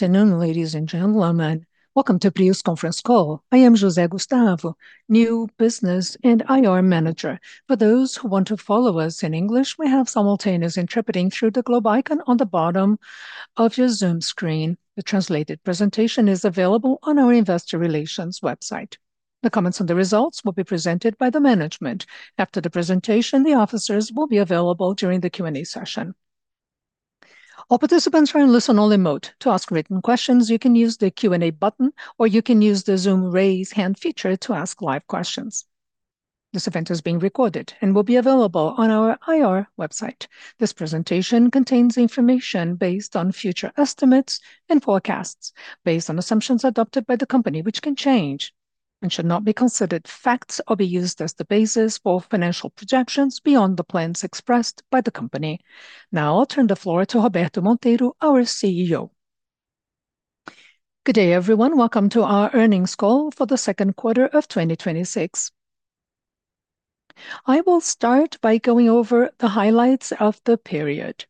Good afternoon, ladies and gentlemen. Welcome to Prio's conference call. I am Jose Gustavo, new business and IR Manager. For those who want to follow us in English, we have simultaneous interpreting through the globe icon on the bottom of your Zoom screen. The translated presentation is available on our investor relations website. The comments on the results will be presented by the management. After the presentation, the officers will be available during the Q&A session. All participants are in listen only mode. To ask written questions, you can use the Q&A button, or you can use the Zoom raise hand feature to ask live questions. This event is being recorded and will be available on our IR website. This presentation contains information based on future estimates and forecasts, based on assumptions adopted by the company, which can change and should not be considered facts or be used as the basis for financial projections beyond the plans expressed by the company. I'll turn the floor to Roberto Monteiro, our CEO. Good day, everyone. Welcome to our earnings call for the second quarter of 2026. I will start by going over the highlights of the period.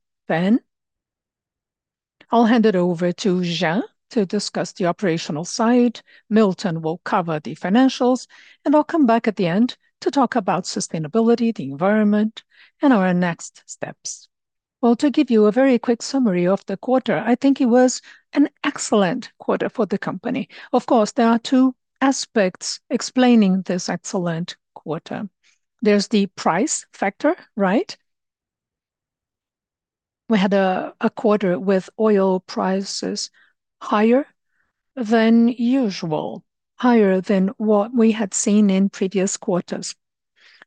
I'll hand it over to Jean to discuss the operational side. Milton will cover the financials, and I'll come back at the end to talk about sustainability, the environment, and our next steps. To give you a very quick summary of the quarter, I think it was an excellent quarter for the company. Of course, there are two aspects explaining this excellent quarter. There's the price factor, right? We had a quarter with oil prices higher than usual, higher than what we had seen in previous quarters.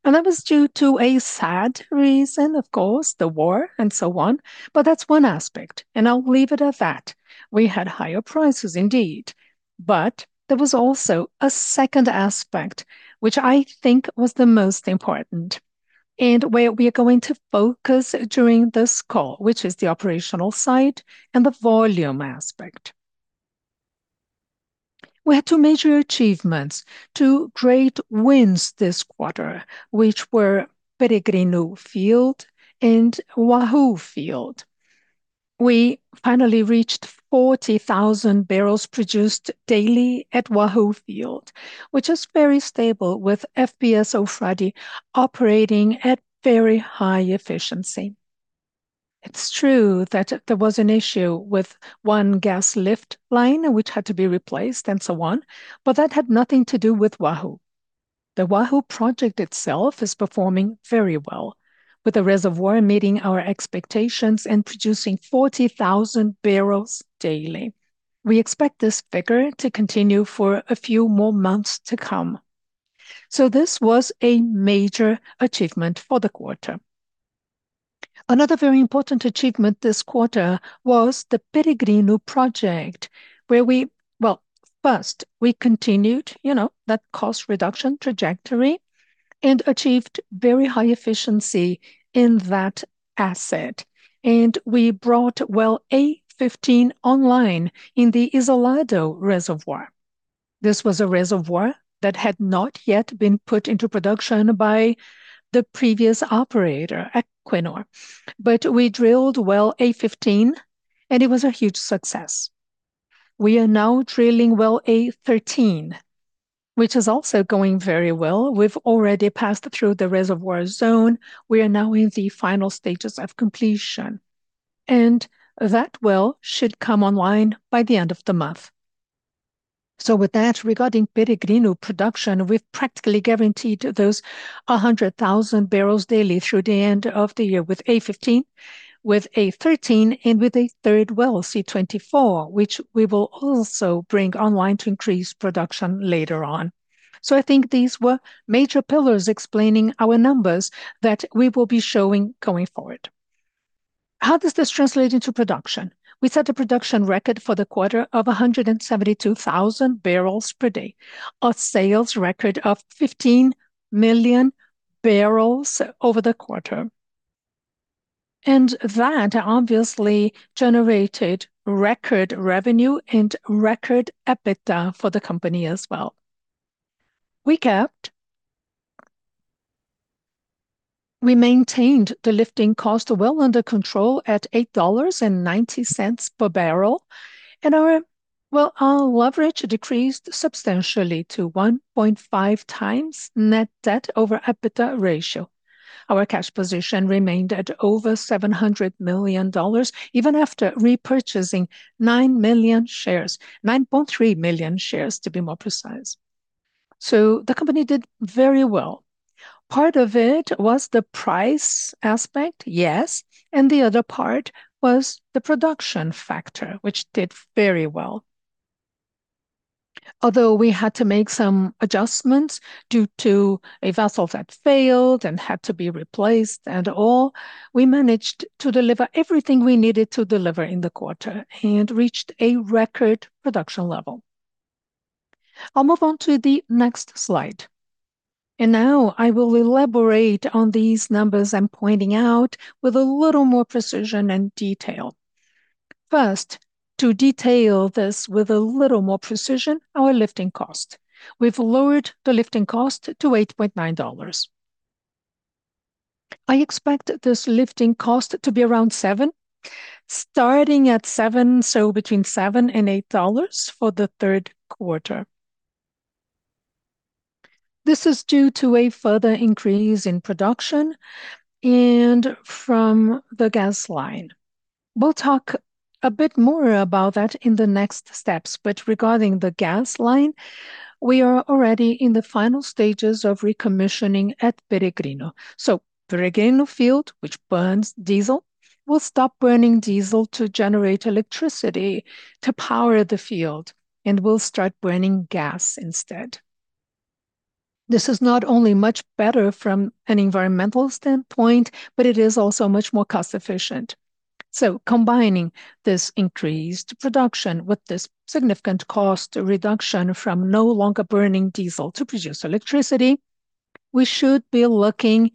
That was due to a sad reason, of course, the war and so on. That's one aspect, and I'll leave it at that. We had higher prices indeed. There was also a second aspect, which I think was the most important and where we are going to focus during this call, which is the operational side and the volume aspect. We had two major achievements, two great wins this quarter, which were Peregrino Field and Wahoo Field. We finally reached 40,000 barrels produced daily at Wahoo Field, which is very stable, with FPSO Frade operating at very high efficiency. It's true that there was an issue with one gas lift line, which had to be replaced and so on, but that had nothing to do with Wahoo. The Wahoo project itself is performing very well, with the reservoir meeting our expectations and producing 40,000 barrels daily. We expect this figure to continue for a few more months to come. This was a major achievement for the quarter. Another very important achievement this quarter was the Peregrino Project, where we, first, we continued that cost reduction trajectory and achieved very high efficiency in that asset. We brought well A15 online in the Isolado reservoir. This was a reservoir that had not yet been put into production by the previous operator, Equinor. We drilled well A15, and it was a huge success. We are now drilling well A13, which is also going very well. We've already passed through the reservoir zone. We are now in the final stages of completion, that well should come online by the end of the month. With that, regarding Peregrino production, we've practically guaranteed those 100,000 barrels daily through the end of the year with A15, with A13, and with a third well, C24, which we will also bring online to increase production later on. I think these were major pillars explaining our numbers that we will be showing going forward. How does this translate into production? We set a production record for the quarter of 172,000 barrels per day. A sales record of 15 million barrels over the quarter. That obviously generated record revenue and record EBITDA for the company as well. We maintained the lifting cost well under control at $8.90 per barrel, and our leverage decreased substantially to 1.5x net debt over EBITDA ratio. Our cash position remained at over $700 million, even after repurchasing 9 million shares, 9.3 million shares, to be more precise. The company did very well. Part of it was the price aspect, yes, and the other part was the production factor, which did very well. Although we had to make some adjustments due to a vessel that failed and had to be replaced and all, we managed to deliver everything we needed to deliver in the quarter and reached a record production level. I'll move on to the next slide. Now I will elaborate on these numbers I'm pointing out with a little more precision and detail. First, to detail this with a little more precision, our lifting cost. We've lowered the lifting cost to $8.9. I expect this lifting cost to be around $7, starting at $7, so between $7 and $8 for the third quarter. This is due to a further increase in production and from the gas line. We'll talk a bit more about that in the next steps. Regarding the gas line, we are already in the final stages of recommissioning at Peregrino. Peregrino field, which burns diesel, will stop burning diesel to generate electricity to power the field and will start burning gas instead. This is not only much better from an environmental standpoint, but it is also much more cost efficient. Combining this increased production with this significant cost reduction from no longer burning diesel to produce electricity, we should be looking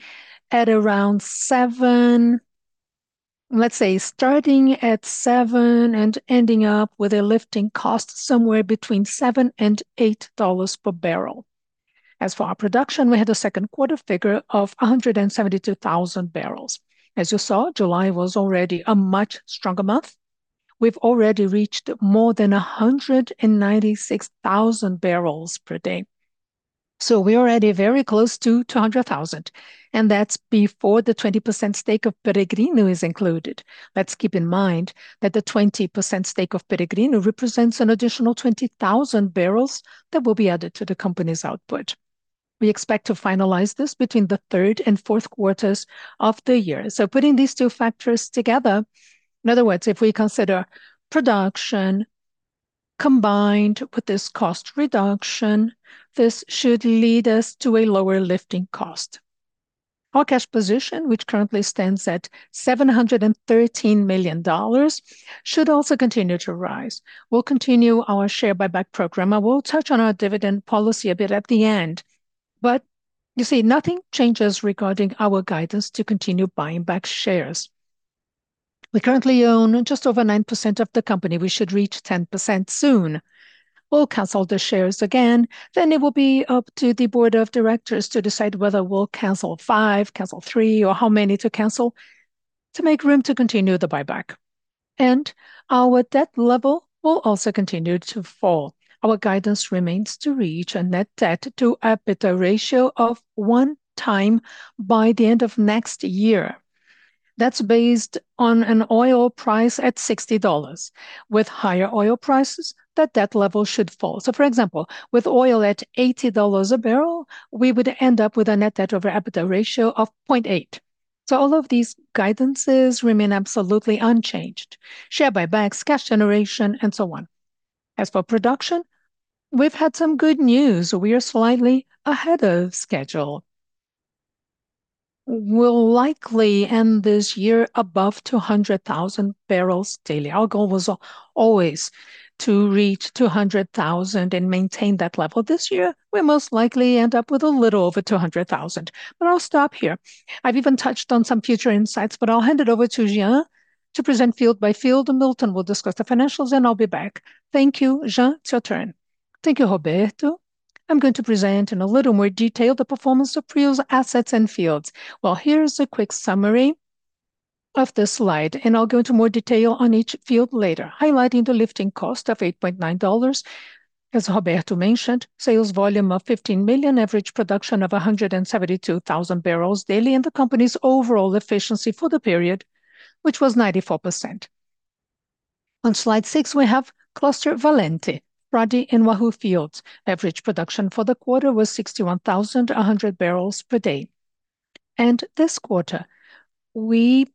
at around $7, let's say, starting at $7 and ending up with a lifting cost somewhere between $7 and $8 per barrel. As for our production, we had a second quarter figure of 172,000 barrels. As you saw, July was already a much stronger month. We've already reached more than 196,000 barrels per day. We are already very close to 200,000, and that's before the 20% stake of Peregrino is included. Let's keep in mind that the 20% stake of Peregrino represents an additional 20,000 barrels that will be added to the company's output. We expect to finalize this between the third and fourth quarters of the year. Putting these two factors together, in other words, if we consider production combined with this cost reduction, this should lead us to a lower lifting cost. Our cash position, which currently stands at $713 million, should also continue to rise. We'll continue our share buyback program, and we'll touch on our dividend policy a bit at the end. You see, nothing changes regarding our guidance to continue buying back shares. We currently own just over 9% of the company. We should reach 10% soon. We'll cancel the shares again, it will be up to the board of directors to decide whether we'll cancel five, cancel three, or how many to cancel to make room to continue the buyback. Our debt level will also continue to fall. Our guidance remains to reach a net debt to EBITDA ratio of one time by the end of next year. That's based on an oil price at $60. With higher oil prices, that debt level should fall. For example, with oil at $80 a barrel, we would end up with a net debt over EBITDA ratio of 0.8. All of these guidances remain absolutely unchanged. Share buybacks, cash generation, and so on. As for production, we've had some good news. We are slightly ahead of schedule. We'll likely end this year above 200,000 barrels daily. Our goal was always to reach 200,000 and maintain that level. This year, we'll most likely end up with a little over 200,000. I'll stop here. I've even touched on some future insights, but I'll hand it over to Jean to present field by field, and Milton will discuss the financials, and I'll be back. Thank you. Jean, it's your turn. Thank you, Roberto. I'm going to present in a little more detail the performance of Prio's assets and fields. Here is a quick summary of this slide, and I'll go into more detail on each field later, highlighting the lifting cost of $8.9, as Roberto mentioned, sales volume of 15 million, average production of 172,000 barrels daily, and the company's overall efficiency for the period, which was 94%. On slide six, we have Cluster Valente, Frade, and Wahoo fields. Average production for the quarter was 61,100 barrels per day. This quarter, we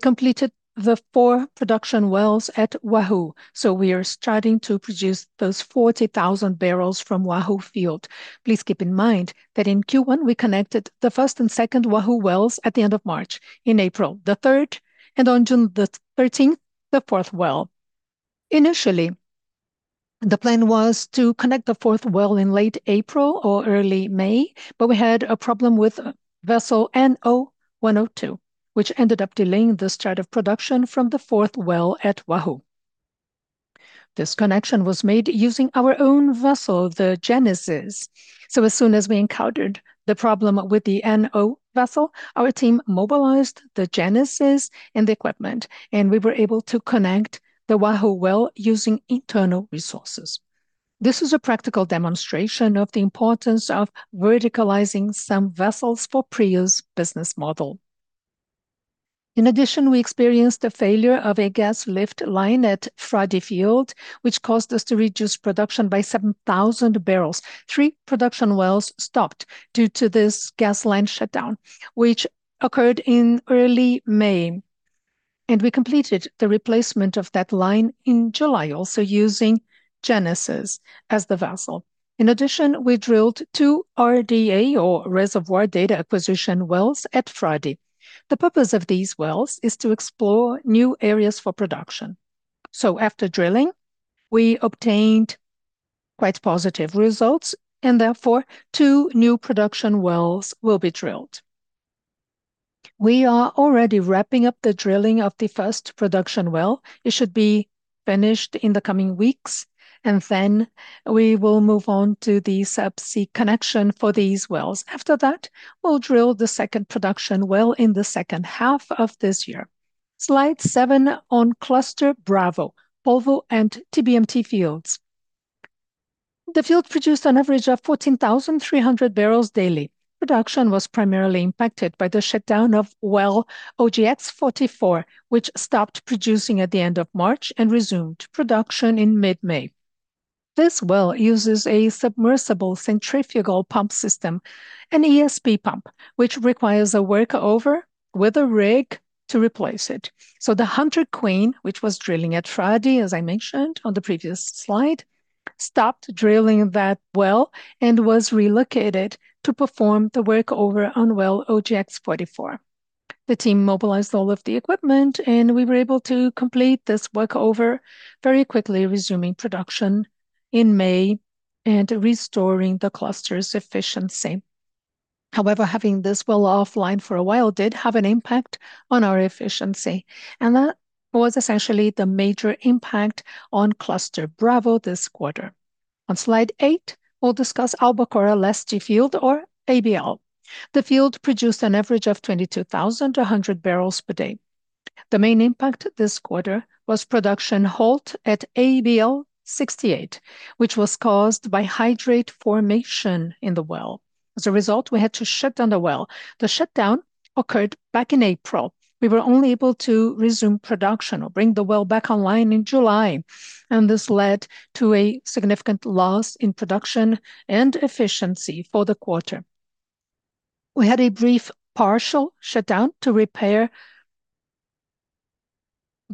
completed the four production wells at Wahoo, so we are starting to produce those 40,000 barrels from Wahoo field. Please keep in mind that in Q1, we connected the first and second Wahoo wells at the end of March. In April, the third, and on June the 13th, the fourth well. Initially, the plan was to connect the fourth well in late April or early May, but we had a problem with vessel NO-102, which ended up delaying the start of production from the fourth well at Wahoo. This connection was made using our own vessel, the Genesis. As soon as we encountered the problem with the NO vessel, our team mobilized the Genesis and the equipment, and we were able to connect the Wahoo well using internal resources. This was a practical demonstration of the importance of verticalizing some vessels for Prio's business model. In addition, we experienced a failure of a gas lift line at Frade field, which caused us to reduce production by 7,000 barrels. Three production wells stopped due to this gas line shutdown, which occurred in early May, and we completed the replacement of that line in July, also using Genesis as the vessel. In addition, we drilled two RDA, or reservoir data acquisition, wells at Frade. The purpose of these wells is to explore new areas for production. After drilling, we obtained quite positive results, and therefore, two new production wells will be drilled. We are already wrapping up the drilling of the first production well. It should be finished in the coming weeks, and then we will move on to the subsea connection for these wells. After that, we'll drill the second production well in the second half of this year. Slide seven on cluster Bravo, Polvo, and TBMT fields. The field produced an average of 14,300 barrels daily. Production was primarily impacted by the shutdown of well OGX-44, which stopped producing at the end of March and resumed production in mid-May. This well uses a submersible centrifugal pump system, an ESP pump, which requires a workover with a rig to replace it. The Hunter Queen, which was drilling at Frade, as I mentioned on the previous slide, stopped drilling that well and was relocated to perform the workover on well OGX-44. The team mobilized all of the equipment, and we were able to complete this workover very quickly, resuming production in May and restoring the cluster's efficiency. However, having this well offline for a while did have an impact on our efficiency, and that was essentially the major impact on cluster Bravo this quarter. On slide eight, we'll discuss Albacora Leste field, or ABL. The field produced an average of 22,100 barrels per day. The main impact this quarter was production halt at ABL-68, which was caused by hydrate formation in the well. As a result, we had to shut down the well. The shutdown occurred back in April. We were only able to resume production or bring the well back online in July, and this led to a significant loss in production and efficiency for the quarter. We had a brief partial shutdown to repair the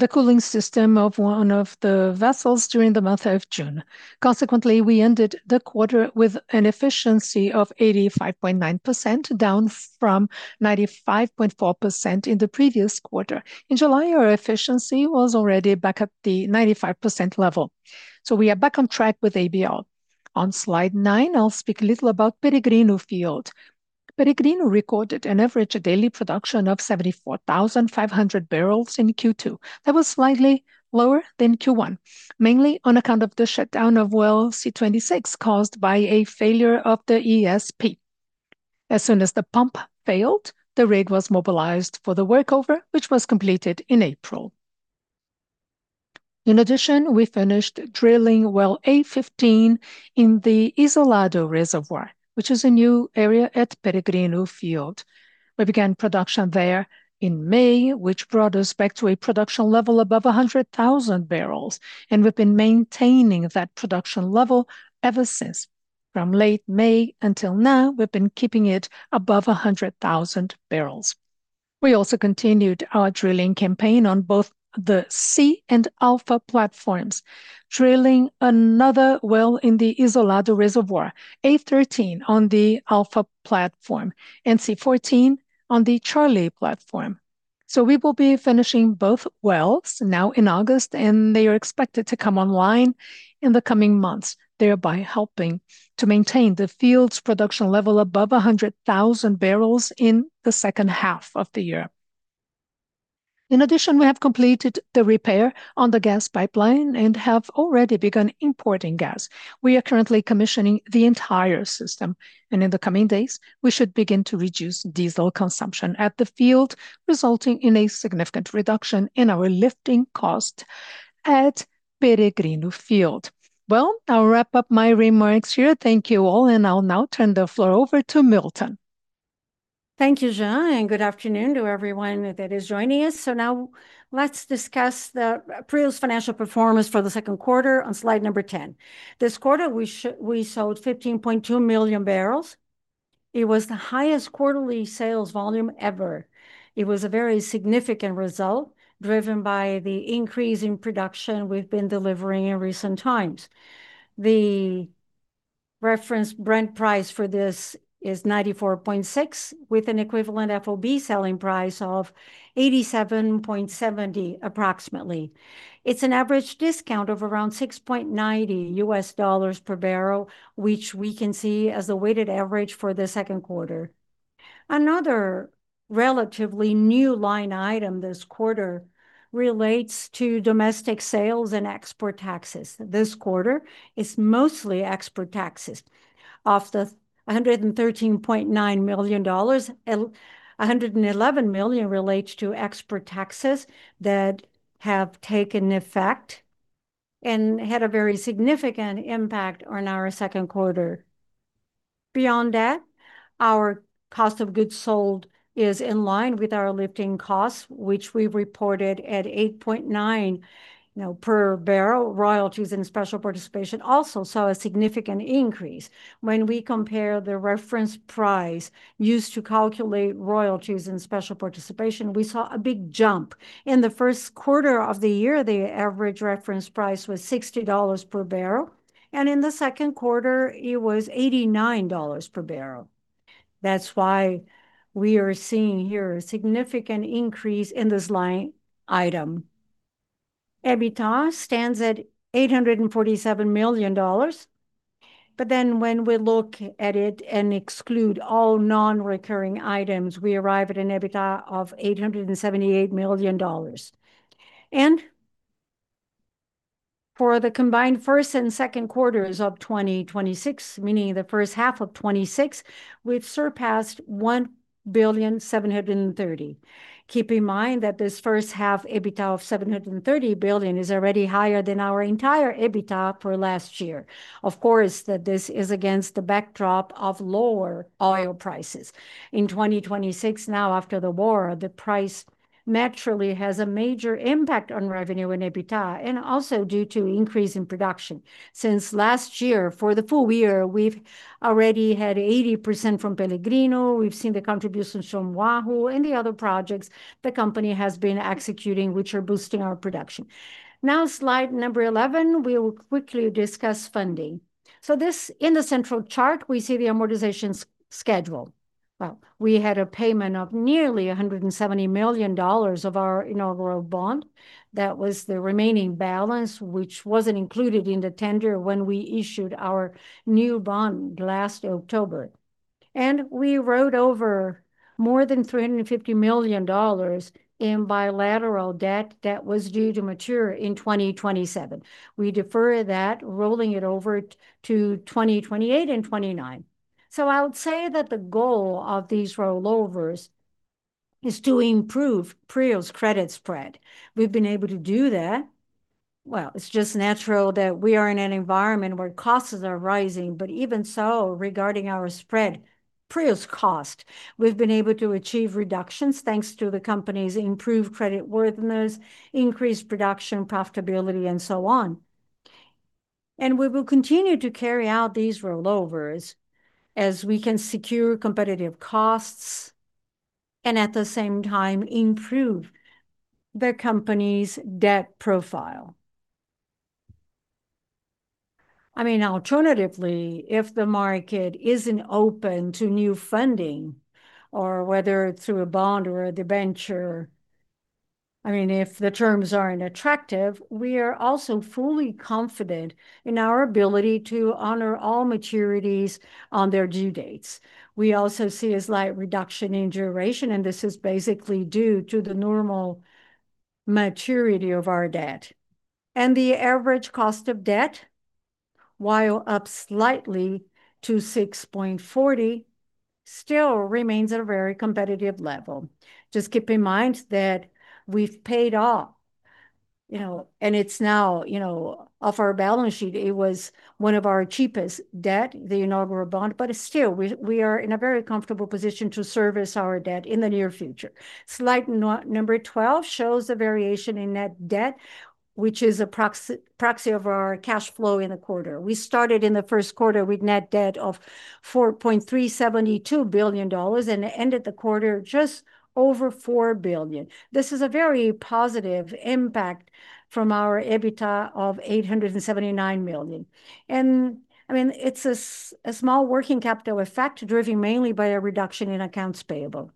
cooling system of one of the vessels during the month of June. Consequently, we ended the quarter with an efficiency of 85.9%, down from 95.4% in the previous quarter. In July, our efficiency was already back at the 95% level. We are back on track with ABL. On slide nine, I'll speak a little about Peregrino field. Peregrino recorded an average daily production of 74,500 barrels in Q2. That was slightly lower than Q1, mainly on account of the shutdown of well C-26 caused by a failure of the ESP. As soon as the pump failed, the rig was mobilized for the workover, which was completed in April. In addition, we finished drilling well A-15 in the Isolado reservoir, which is a new area at Peregrino field. We began production there in May, which brought us back to a production level above 100,000 barrels, and we've been maintaining that production level ever since. From late May until now, we've been keeping it above 100,000 barrels. We also continued our drilling campaign on both the C and Alpha platforms, drilling another well in the Isolado reservoir, A-13 on the Alpha platform and C-14 on the Charlie platform. We will be finishing both wells now in August, and they are expected to come online in the coming months, thereby helping to maintain the field's production level above 100,000 barrels in the second half of the year. In addition, we have completed the repair on the gas pipeline and have already begun importing gas. We are currently commissioning the entire system, and in the coming days, we should begin to reduce diesel consumption at the field, resulting in a significant reduction in our lifting cost at Peregrino field. Well, I'll wrap up my remarks here. Thank you all, and I'll now turn the floor over to Milton. Thank you, Ja, and good afternoon to everyone that is joining us. Now let's discuss Prio's financial performance for the second quarter on slide number 10. This quarter, we sold 15.2 million barrels. It was the highest quarterly sales volume ever. It was a very significant result, driven by the increase in production we've been delivering in recent times. The reference Brent price for this is $94.6, with an equivalent FOB selling price of $87.70 approximately. It is an average discount of around $6.90 per barrel, which we can see as the weighted average for the second quarter. Another relatively new line item this quarter relates to domestic sales and export taxes. This quarter is mostly export taxes. Of the $113.9 million, $111 million relates to export taxes that have taken effect and had a very significant impact on our second quarter. Beyond that, our cost of goods sold is in line with our lifting costs, which we reported at $8.9 per barrel. Royalties and special participation also saw a significant increase. When we compare the reference price used to calculate royalties and special participation, we saw a big jump. In the first quarter of the year, the average reference price was $60 per barrel, and in the second quarter, it was $89 per barrel. That is why we are seeing here a significant increase in this line item. EBITDA stands at $847 million. When we look at it and exclude all non-recurring items, we arrive at an EBITDA of $878 million. For the combined first and second quarters of 2026, meaning the first half of 2026, we've surpassed $1 billion, 730. Keep in mind that this first-half EBITDA of $730 billion is already higher than our entire EBITDA for last year. Of course, this is against the backdrop of lower oil prices. In 2026, after the war, the price naturally has a major impact on revenue and EBITDA, and also due to increase in production. Since last year, for the full year, we've already had 80% from Peregrino. We've seen the contributions from Wahoo and the other projects the company has been executing, which are boosting our production. Slide number 11, we will quickly discuss funding. This, in the central chart, we see the amortization schedule. We had a payment of nearly $170 million of our inaugural bond. That was the remaining balance, which wasn't included in the tender when we issued our new bond last October. We rolled over more than $350 million in bilateral debt that was due to mature in 2027. We deferred that, rolling it over to 2028 and 2029. I would say that the goal of these rollovers is to improve Prio's credit spread. We've been able to do that. It's just natural that we are in an environment where costs are rising. Even so, regarding our spread, Prio's cost, we've been able to achieve reductions thanks to the company's improved creditworthiness, increased production profitability, and so on. We will continue to carry out these rollovers as we can secure competitive costs and at the same time improve the company's debt profile. Alternatively, if the market isn't open to new funding, or whether through a bond or a debenture, if the terms aren't attractive, we are also fully confident in our ability to honor all maturities on their due dates. We also see a slight reduction in duration, and this is basically due to the normal maturity of our debt. The average cost of debt, while up slightly to 6.40%, still remains at a very competitive level. Just keep in mind that we've paid off, and it's now off our balance sheet. It was one of our cheapest debt, the inaugural bond. But still, we are in a very comfortable position to service our debt in the near future. Slide number 12 shows the variation in net debt, which is a proxy of our cash flow in the quarter. We started in the first quarter with net debt of $4.372 billion and ended the quarter just over $4 billion. This is a very positive impact from our EBITDA of $879 million. It's a small working capital effect, driven mainly by a reduction in accounts payable.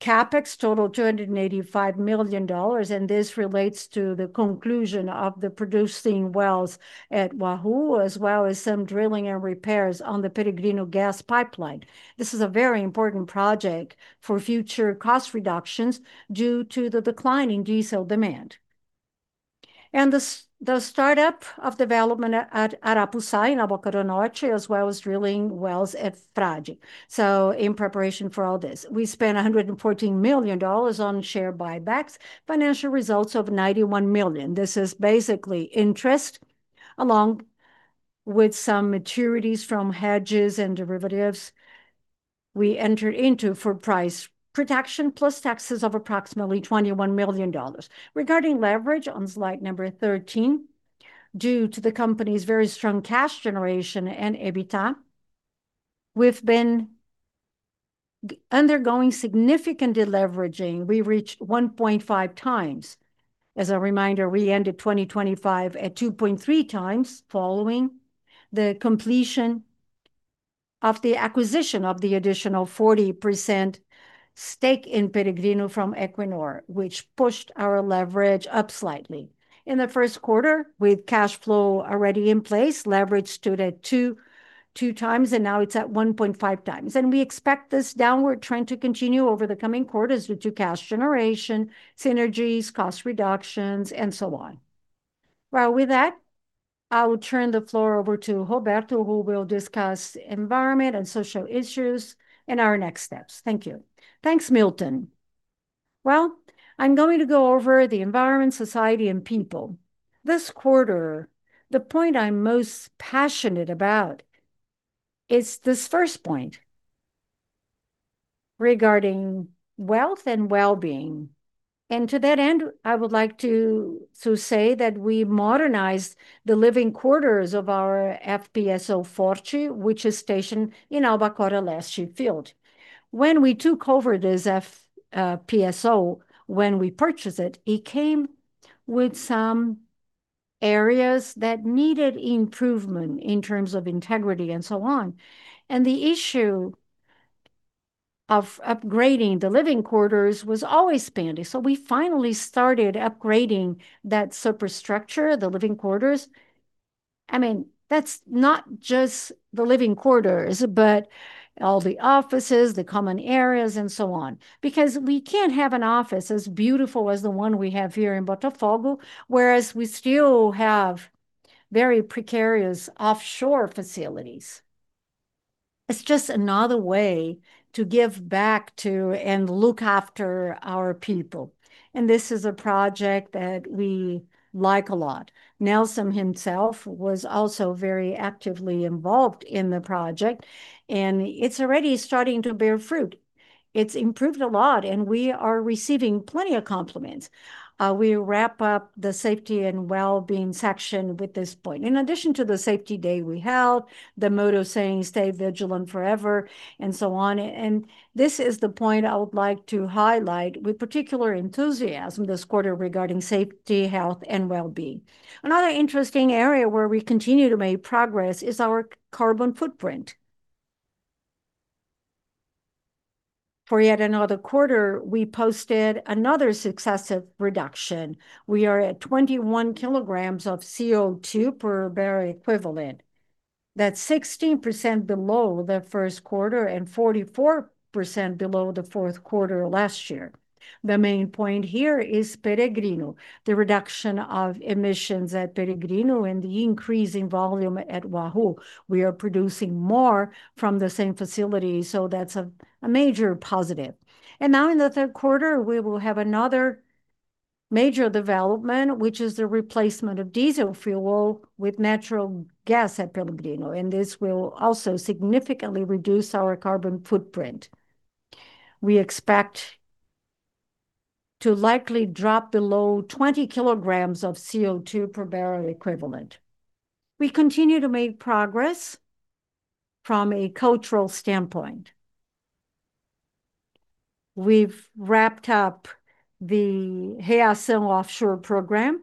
CapEx totaled $285 million, and this relates to the conclusion of the producing wells at Wahoo, as well as some drilling and repairs on the Peregrino gas pipeline. This is a very important project for future cost reductions due to the decline in diesel demand. The startup of development at Arapuça in Albacora Norte, as well as drilling wells at Frade. So in preparation for all this, we spent $114 million on share buybacks, financial results of $91 million. This is basically interest, along with some maturities from hedges and derivatives we entered into for price protection, plus taxes of approximately $21 million. Regarding leverage, on slide number 13, due to the company's very strong cash generation and EBITDA, we've been undergoing significant deleveraging. We reached 1.5 times. As a reminder, we ended 2025 at 2.3 times following the completion of the acquisition of the additional 40% stake in Peregrino from Equinor, which pushed our leverage up slightly. In the first quarter, with cash flow already in place, leverage stood at two times, and now it's at 1.5 times. We expect this downward trend to continue over the coming quarters due to cash generation, synergies, cost reductions, and so on. With that, I will turn the floor over to Roberto, who will discuss environment and social issues and our next steps. Thank you. Thanks, Milton. I'm going to go over the environment, society, and people. This quarter, the point I'm most passionate about is this first point regarding wealth and wellbeing. To that end, I would like to say that we modernized the living quarters of our FPSO Forte, which is stationed in Albacora Leste field. When we took over this FPSO, when we purchased it came with some areas that needed improvement in terms of integrity and so on. The issue of upgrading the living quarters was always pending. So we finally started upgrading that superstructure, the living quarters. That's not just the living quarters, but all the offices, the common areas, and so on. Because we can't have an office as beautiful as the one we have here in Botafogo, whereas we still have very precarious offshore facilities. It's just another way to give back to and look after our people. This is a project that we like a lot. Nelson himself was also very actively involved in the project. It's already starting to bear fruit. It's improved a lot, and we are receiving plenty of compliments. We wrap up the safety and wellbeing section with this point. In addition to the safety day we held, the motto saying, "Stay vigilant forever," and so on. This is the point I would like to highlight with particular enthusiasm this quarter regarding safety, health, and wellbeing. Another interesting area where we continue to make progress is our carbon footprint. For yet another quarter, we posted another successive reduction. We are at 21 kilograms of CO2 per barrel equivalent. That's 16% below the first quarter and 44% below the fourth quarter last year. The main point here is Peregrino, the reduction of emissions at Peregrino and the increase in volume at Wahoo. We are producing more from the same facility. That's a major positive. Now in the third quarter, we will have another major development, which is the replacement of diesel fuel with natural gas at Peregrino. This will also significantly reduce our carbon footprint. We expect to likely drop below 20 kilograms of CO2 per barrel equivalent. We continue to make progress from a cultural standpoint. We've wrapped up the Reação Offshore program.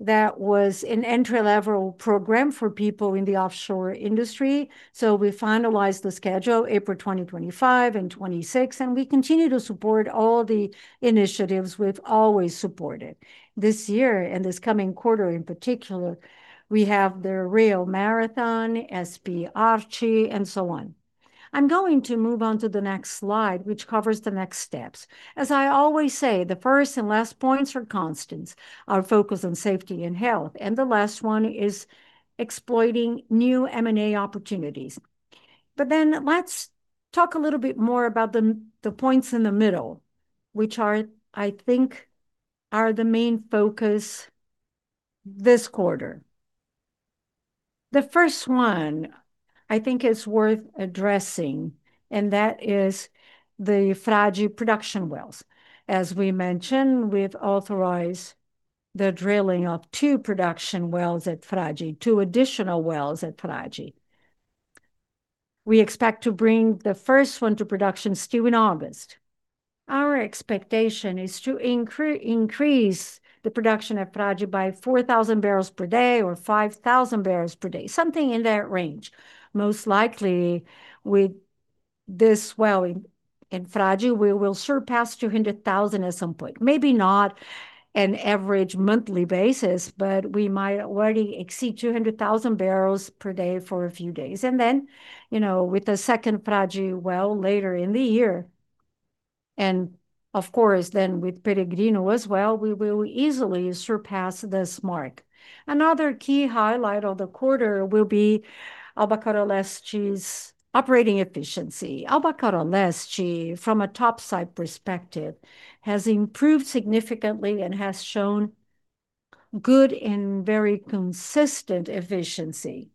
That was an entry-level program for people in the offshore industry. We finalized the schedule April 2025 and 2026, and we continue to support all the initiatives we've always supported. This year, and this coming quarter in particular, we have the Rio Marathon, SP-ARCH, and so on. I'm going to move on to the next slide, which covers the next steps. As I always say, the first and last points are constants, our focus on safety and health. The last one is exploiting new M&A opportunities. Let's talk a little bit more about the points in the middle, which are, I think, are the main focus this quarter. The first one I think is worth addressing. That is the Frade production wells. As we mentioned, we've authorized the drilling of two production wells at Frade, two additional wells at Frade. We expect to bring the first one to production still in August. Our expectation is to increase the production at Frade by 4,000 barrels per day or 5,000 barrels per day, something in that range. Most likely, with this well in Frade, we will surpass 200,000 at some point. Maybe not an average monthly basis, but we might already exceed 200,000 barrels per day for a few days. With the second Frade well later in the year and, of course then, with Peregrino as well, we will easily surpass this mark. Another key highlight of the quarter will be Albacora Leste's operating efficiency. Albacora Leste, from a topside perspective, has improved significantly and has shown good and very consistent efficiency.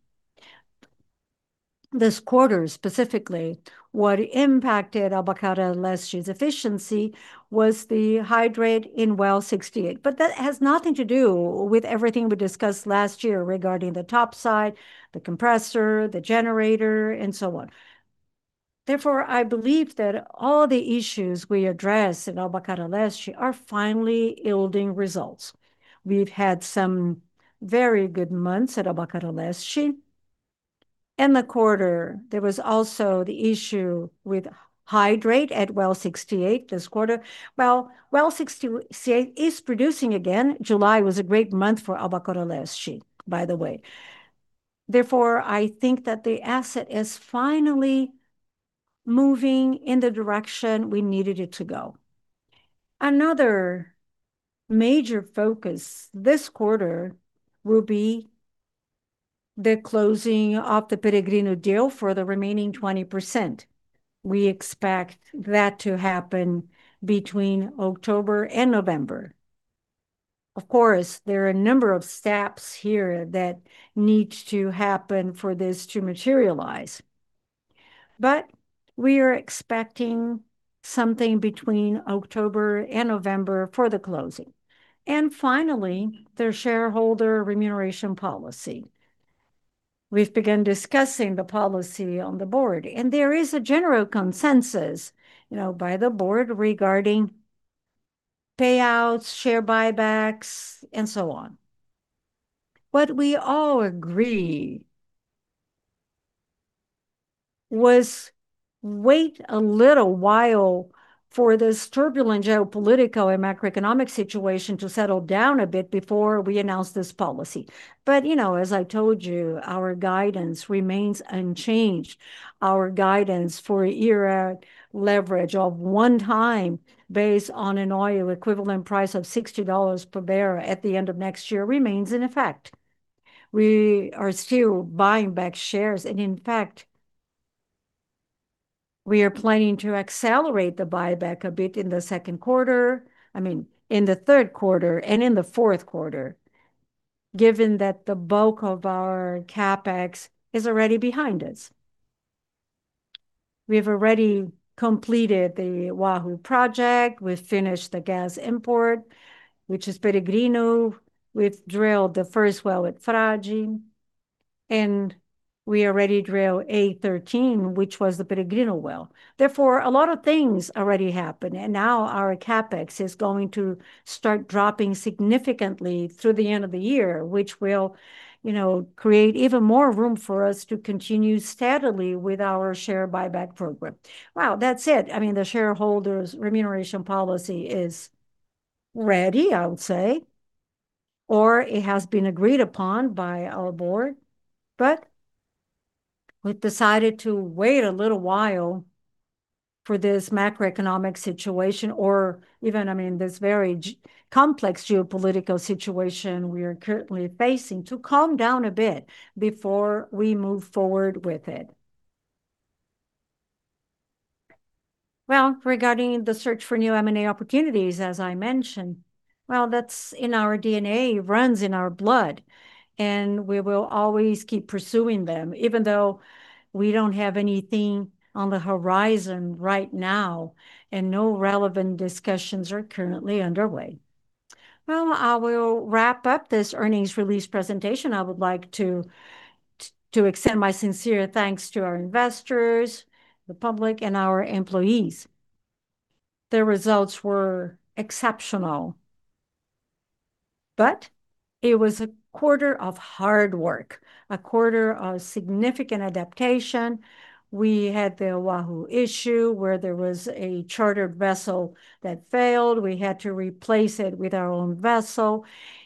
This quarter, specifically, what impacted Albacora Leste's efficiency was the hydrate in Well 68. That has nothing to do with everything we discussed last year regarding the topside, the compressor, the generator, and so on. I believe that all the issues we addressed in Albacora Leste are finally yielding results. We've had some very good months at Albacora Leste. In the quarter, there was also the issue with hydrate at Well 68 this quarter. Well 68 is producing again. July was a great month for Albacora Leste, by the way. Therefore, I think that the asset is finally moving in the direction we needed it to go. Another major focus this quarter will be the closing of the Peregrino deal for the remaining 20%. We expect that to happen between October and November. Of course, there are a number of steps here that need to happen for this to materialize, but we are expecting something between October and November for the closing. Finally, the shareholder remuneration policy. We've begun discussing the policy on the board. There is a general consensus by the board regarding payouts, share buybacks, and so on. What we all agree was wait a little while for this turbulent geopolitical and macroeconomic situation to settle down a bit before we announce this policy. As I told you, our guidance remains unchanged. Our guidance for a year-end leverage of one time based on an oil equivalent price of $60 per barrel at the end of next year remains in effect. We are still buying back shares. In fact, we are planning to accelerate the buyback a bit in the second quarter, I mean, in the third quarter and in the fourth quarter, given that the bulk of our CapEx is already behind us. We have already completed the Wahoo project. We've finished the gas import, which is Peregrino. We've drilled the first well at Frade, and we already drilled A-13, which was the Peregrino well. Therefore, a lot of things already happened. Now our CapEx is going to start dropping significantly through the end of the year, which will create even more room for us to continue steadily with our share buyback program. Well, that's it. I mean, the shareholders' remuneration policy is ready, I would say, or it has been agreed upon by our board. We've decided to wait a little while for this macroeconomic situation or even this very complex geopolitical situation we are currently facing to calm down a bit before we move forward with it. Well, regarding the search for new M&A opportunities, as I mentioned, well, that's in our DNA, runs in our blood. We will always keep pursuing them, even though we don't have anything on the horizon right now and no relevant discussions are currently underway. Well, I will wrap up this earnings release presentation. I would like to extend my sincere thanks to our investors, the public, and our employees. The results were exceptional. It was a quarter of hard work, a quarter of significant adaptation. We had the Wahoo issue, where there was a charter vessel that failed. We had to replace it with our own vessel.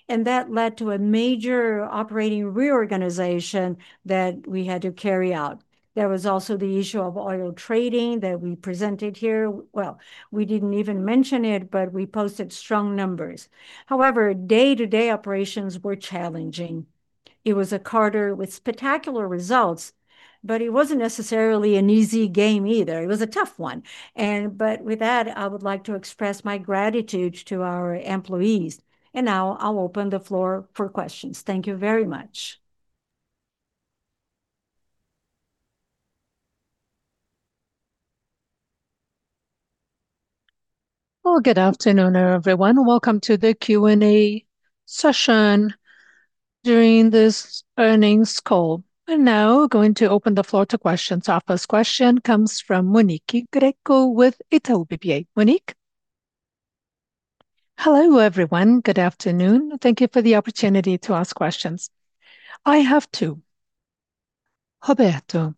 That led to a major operating reorganization that we had to carry out. There was also the issue of oil trading that we presented here. Well, we didn't even mention it. We posted strong numbers. However, day-to-day operations were challenging. It was a quarter with spectacular results. It wasn't necessarily an easy game either. It was a tough one. With that, I would like to express my gratitude to our employees. Now I'll open the floor for questions. Thank you very much. Well, good afternoon, everyone. Welcome to the Q&A session during this earnings call. Now we're going to open the floor to questions. Our first question comes from Monique Greco with Itaú BBA. Monique? Hello, everyone. Good afternoon. Thank you for the opportunity to ask questions. I have two. Roberto,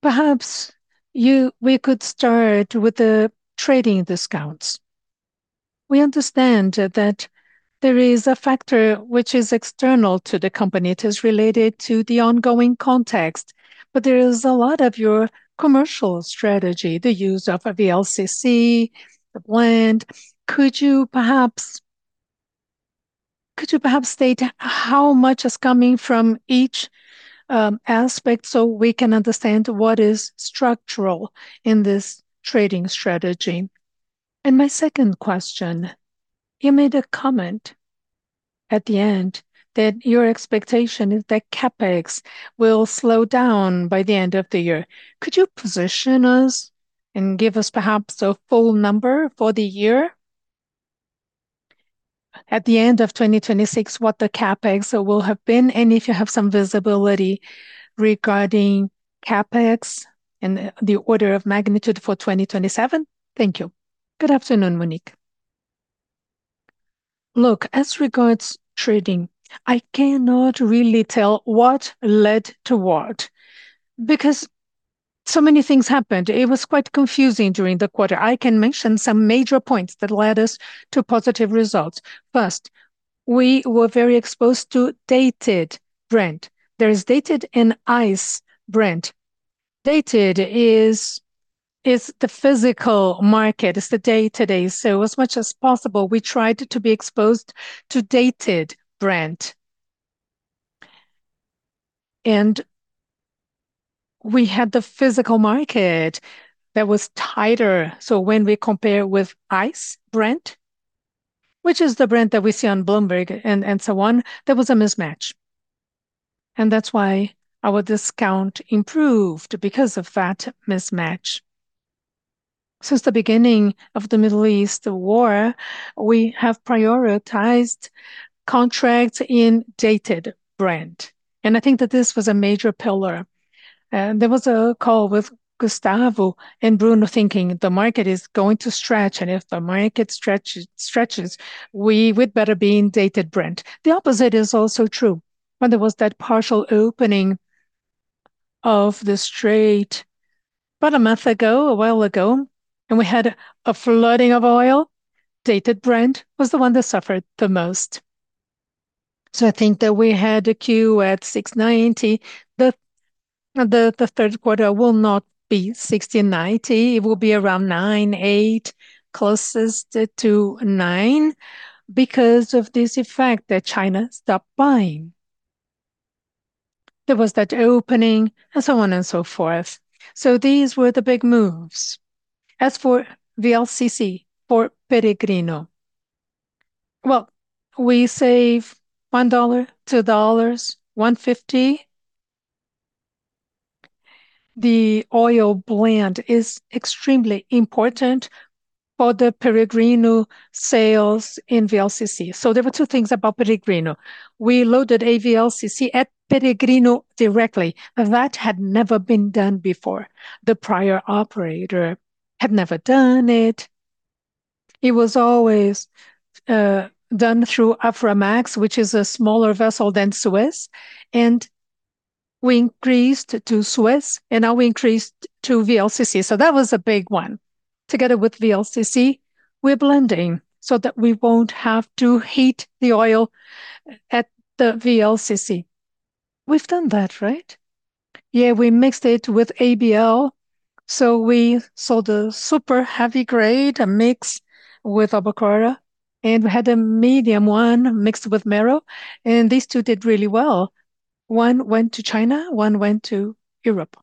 perhaps we could start with the trading discounts. We understand that there is a factor which is external to the company. It is related to the ongoing context, but there is a lot of your commercial strategy, the use of a VLCC, the blend. Could you perhaps state how much is coming from each aspect so we can understand what is structural in this trading strategy? My second question, you made a comment at the end that your expectation is that CapEx will slow down by the end of the year. Could you position us and give us perhaps a full number for the year? At the end of 2026, what the CapEx will have been, and if you have some visibility regarding CapEx and the order of magnitude for 2027. Thank you. Good afternoon, Monique. Look, as regards trading, I cannot really tell what led to what because so many things happened. It was quite confusing during the quarter. I can mention some major points that led us to positive results. First, we were very exposed to Dated Brent. There is Dated and ICE Brent. Dated is the physical market. It's the day-to-day. As much as possible, we tried to be exposed to Dated Brent. We had the physical market that was tighter. When we compare with ICE Brent, which is the Brent that we see on Bloomberg and so on, there was a mismatch, and that's why our discount improved because of that mismatch. Since the beginning of the Middle East war, we have prioritized contracts in Dated Brent, and I think that this was a major pillar. There was a call with Gustavo and Bruno thinking the market is going to stretch, and if the market stretches, we would better be in Dated Brent. The opposite is also true. When there was that partial opening of the Strait about a month ago, a while ago. We had a flooding of oil. Dated Brent was the one that suffered the most. I think that we had a Q at 690. The third quarter will not be 690. It will be around nine, eight, closest to nine because of this effect that China stopped buying. There was that opening and so on and so forth. These were the big moves. As for VLCC, for Peregrino, we save $1, $2, $1.50. The oil blend is extremely important for the Peregrino sales in VLCC. There were two things about Peregrino. We loaded a VLCC at Peregrino directly. That had never been done before. The prior operator had never done it. It was always done through Aframax, which is a smaller vessel than Suez. We increased to Suez, and now we increased to VLCC. That was a big one. Together with VLCC, we are blending so that we will not have to heat the oil at the VLCC. We have done that, right? Yes, we mixed it with ABL. We saw the super heavy grade, a mix with Albacora, and we had a medium one mixed with Mero. These two did really well. One went to China, one went to Europe.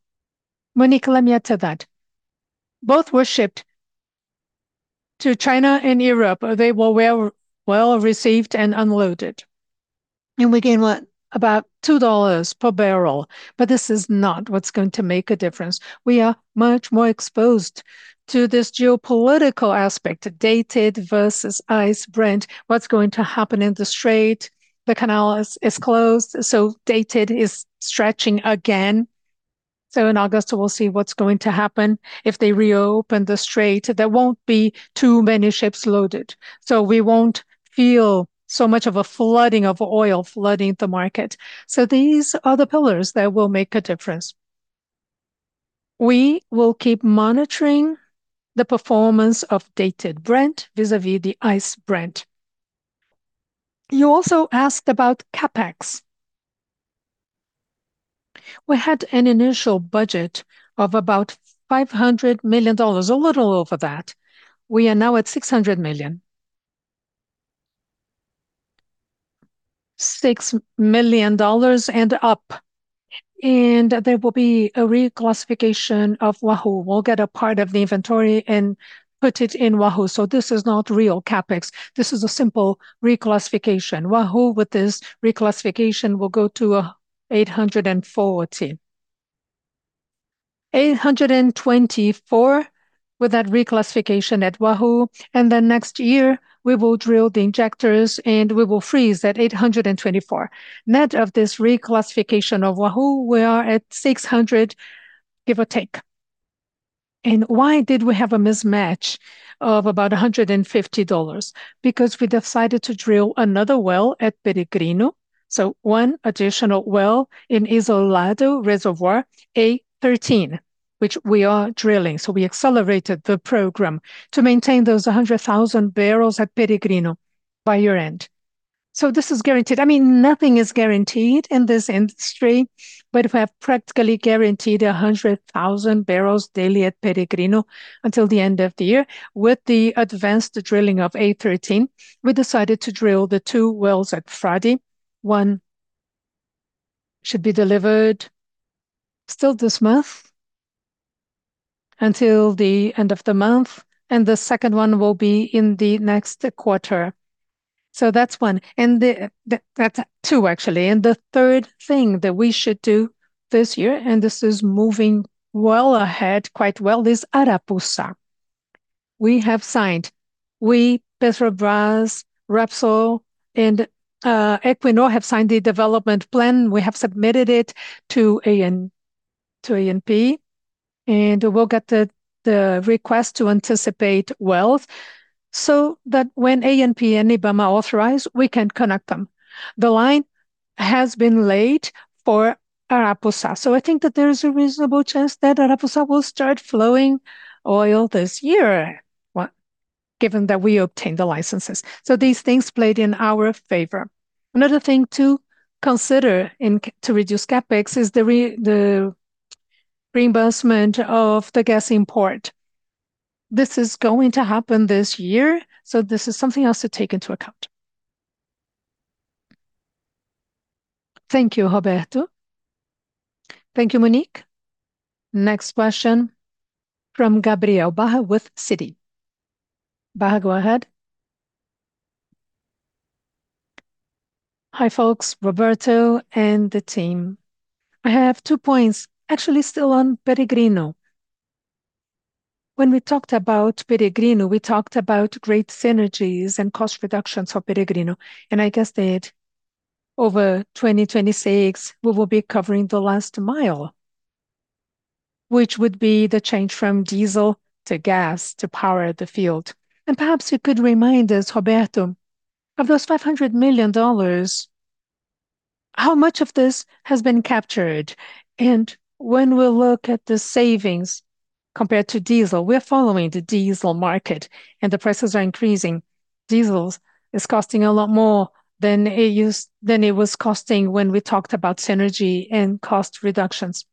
Monique, let me add to that. Both were shipped to China and Europe. They were well-received and unloaded. We gain what? About $2 per barrel. This is not what is going to make a difference. We are much more exposed to this geopolitical aspect, Dated versus ICE Brent. What is going to happen in the Strait? The canal is closed. Dated is stretching again. In August, we will see what is going to happen. If they reopen the Strait, there will not be too many ships loaded. We will not feel so much of a flooding of oil flooding the market. These are the pillars that will make a difference. We will keep monitoring the performance of Dated Brent vis-à-vis the ICE Brent. You also asked about CapEx. We had an initial budget of about $500 million, a little over that. We are now at $600 million. $6 million and up. There will be a reclassification of Wahoo. We will get a part of the inventory and put it in Wahoo. This is not real CapEx. This is a simple reclassification. Wahoo with this reclassification will go to 840. 824 with that reclassification at Wahoo. Next year we will drill the injectors and we will freeze at 824. Net of this reclassification of Wahoo, we are at 600, give or take. Why did we have a mismatch of about $150? Because we decided to drill another well at Peregrino. One additional well in Isolado Reservoir, A13, which we are drilling. We accelerated the program to maintain those 100,000 barrels at Peregrino by year-end. This is guaranteed. Nothing is guaranteed in this industry, but we have practically guaranteed 100,000 barrels daily at Peregrino until the end of the year. With the advanced drilling of A13, we decided to drill the two wells at Frade. One should be delivered still this month, until the end of the month. The second one will be in the next quarter. That is one. That is two, actually. The third thing that we should do this year, and this is moving well ahead, quite well, is Arapuça. We have signed. We, Petrobras, Repsol, and Equinor have signed the development plan. We have submitted it to ANP, and we will get the request to anticipate wells so that when ANP and IBAMA authorize, we can connect them. The line has been laid for Arapuça. So I think that there is a reasonable chance that Arapuça will start flowing oil this year, given that we obtain the licenses. So these things played in our favor. Another thing to consider to reduce CapEx is the reimbursement of the gas import. This is going to happen this year, so this is something else to take into account. Thank you, Roberto. Thank you, Monique. Next question from Gabriel Barra with Citi. Barra, go ahead. Hi, folks, Roberto and the team. I have two points, actually still on Peregrino. When we talked about Peregrino, we talked about great synergies and cost reductions for Peregrino, and I guess that over 2026, we will be covering the last mile which would be the change from diesel to gas to power the field. And perhaps you could remind us, Roberto, of those $500 million, how much of this has been captured? And when we look at the savings compared to diesel, we are following the diesel market, and the prices are increasing. Diesel is costing a lot more than it was costing when we talked about synergy and cost reductions.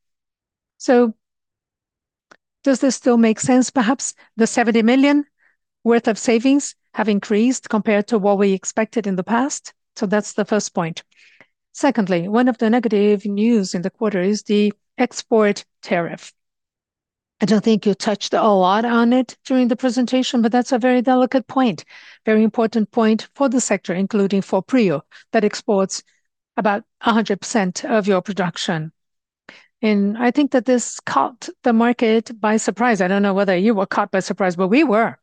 So does this still make sense perhaps? The $70 million worth of savings have increased compared to what we expected in the past. So that is the first point. Secondly, one of the negative news in the quarter is the export tariff. I don't think you touched a lot on it during the presentation, but that is a very delicate point, very important point for the sector, including for Prio, that exports about 100% of your production. And I think that this caught the market by surprise. I don't know whether you were caught by surprise, but we were.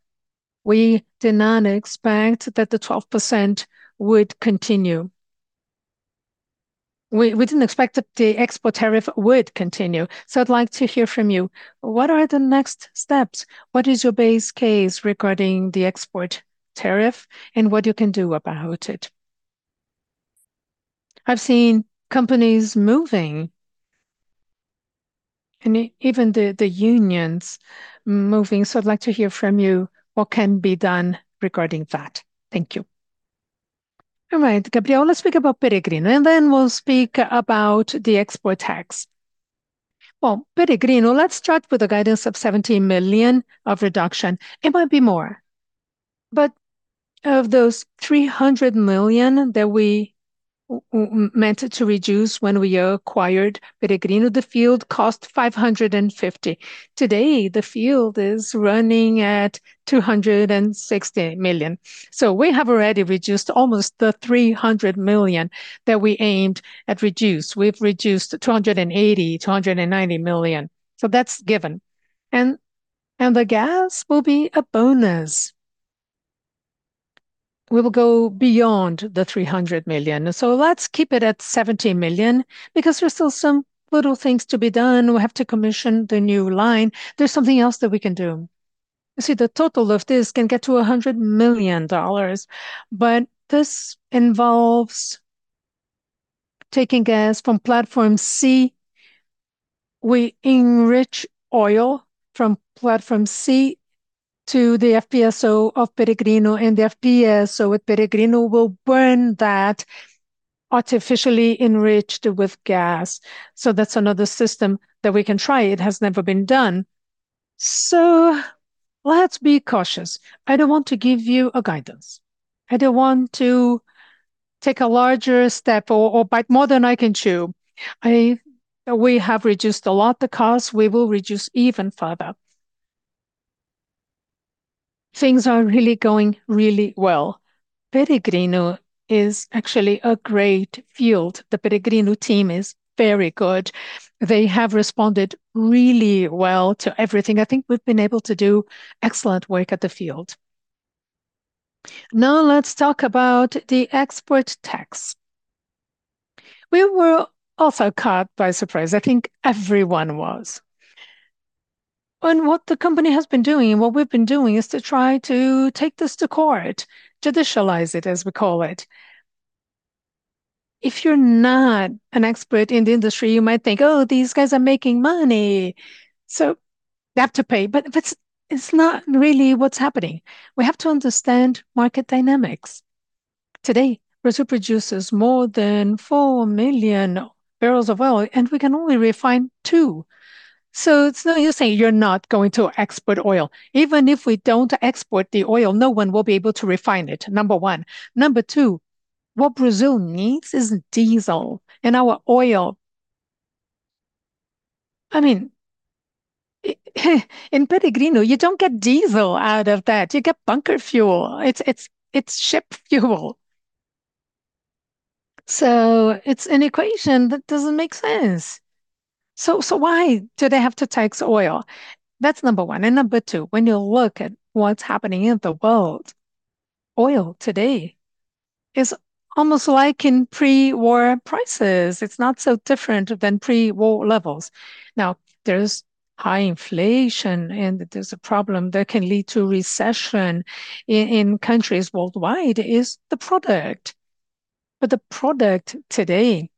We did not expect that the 12% would continue. We didn't expect that the export tariff would continue. So I would like to hear from you, what are the next steps? What is your base case regarding the export tariff, and what you can do about it? I have seen companies moving, and even the unions moving, so I would like to hear from you what can be done regarding that. Thank you. All right, Gabriel, let's speak about Peregrino, and then we will speak about the export tax. Well, Peregrino, let's start with the guidance of $17 million of reduction. It might be more. Of those $300 million that we meant to reduce when we acquired Peregrino, the field cost $550 million. Today, the field is running at $260 million. So we have already reduced almost the $300 million that we aimed at reduce. We have reduced $280 million, $290 million. So that is given. And the gas will be a bonus. We will go beyond the $300 million. So let's keep it at $17 million because there is still some little things to be done. We have to commission the new line. There is something else that we can do. You see, the total of this can get to $100 million. But this involves taking gas from Platform C. We enrich oil from Platform C to the FPSO of Peregrino, and the FPSO with Peregrino will burn that artificially enriched with gas. That's another system that we can try. It has never been done. Let's be cautious. I don't want to give you a guidance. I don't want to take a larger step or bite more than I can chew. We have reduced a lot the cost. We will reduce even further. Things are really going really well. Peregrino is actually a great field. The Peregrino team is very good. They have responded really well to everything. I think we've been able to do excellent work at the field. Let's talk about the export tax. We were also caught by surprise. I think everyone was. What the company has been doing, and what we've been doing, is to try to take this to court, judicialize it, as we call it. If you're not an expert in the industry, you might think, "Oh, these guys are making money, so they have to pay." It's not really what's happening. We have to understand market dynamics. Today, Brazil produces more than 4 million barrels of oil, and we can only refine 2. It's no use saying you're not going to export oil. Even if we don't export the oil, no one will be able to refine it, number 1. Number 2, what Brazil needs is diesel. Our oil, in Peregrino, you don't get diesel out of that. You get bunker fuel. It's ship fuel. It's an equation that doesn't make sense. Why do they have to tax oil? That's number 1. Number 2, when you look at what's happening in the world, oil today is almost like in pre-war prices. It's not so different than pre-war levels. There's high inflation, and there's a problem that can lead to recession in countries worldwide, is the product. The product today,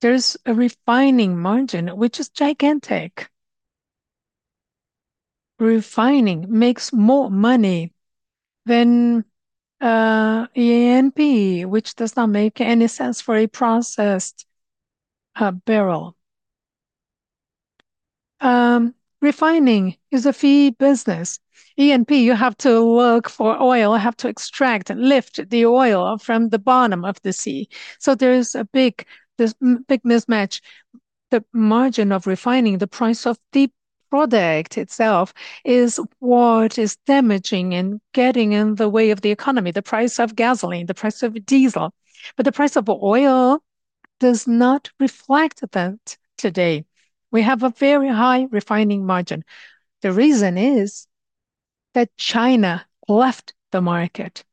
there's a refining margin, which is gigantic. Refining makes more money than E&P, which does not make any sense for a processed barrel. Refining is a fee business. E&P, you have to work for oil, have to extract, lift the oil from the bottom of the sea. There's a big mismatch. The margin of refining, the price of the product itself is what is damaging and getting in the way of the economy, the price of gasoline, the price of diesel. The price of oil does not reflect that today. We have a very high refining margin. The reason is that China left the market.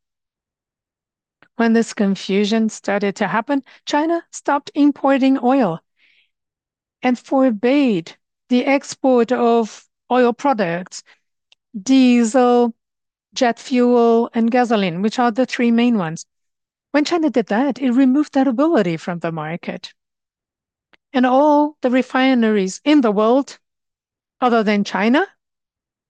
When this confusion started to happen, China stopped importing oil and forbade the export of oil products, diesel, jet fuel, and gasoline, which are the 3 main ones. When China did that, it removed that ability from the market and all the refineries in the world other than China.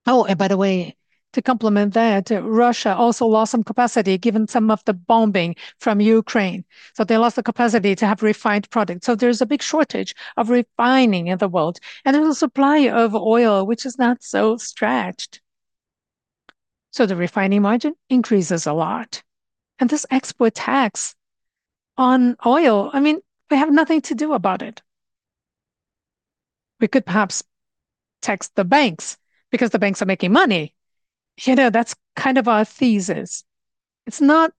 By the way, to complement that, Russia also lost some capacity given some of the bombing from Ukraine. They lost the capacity to have refined products. There is a big shortage of refining in the world and there is a supply of oil which is not so stretched. The refining margin increases a lot. This export tax on oil, we have nothing to do about it. We could perhaps tax the banks because the banks are making money. That's kind of our thesis. It's not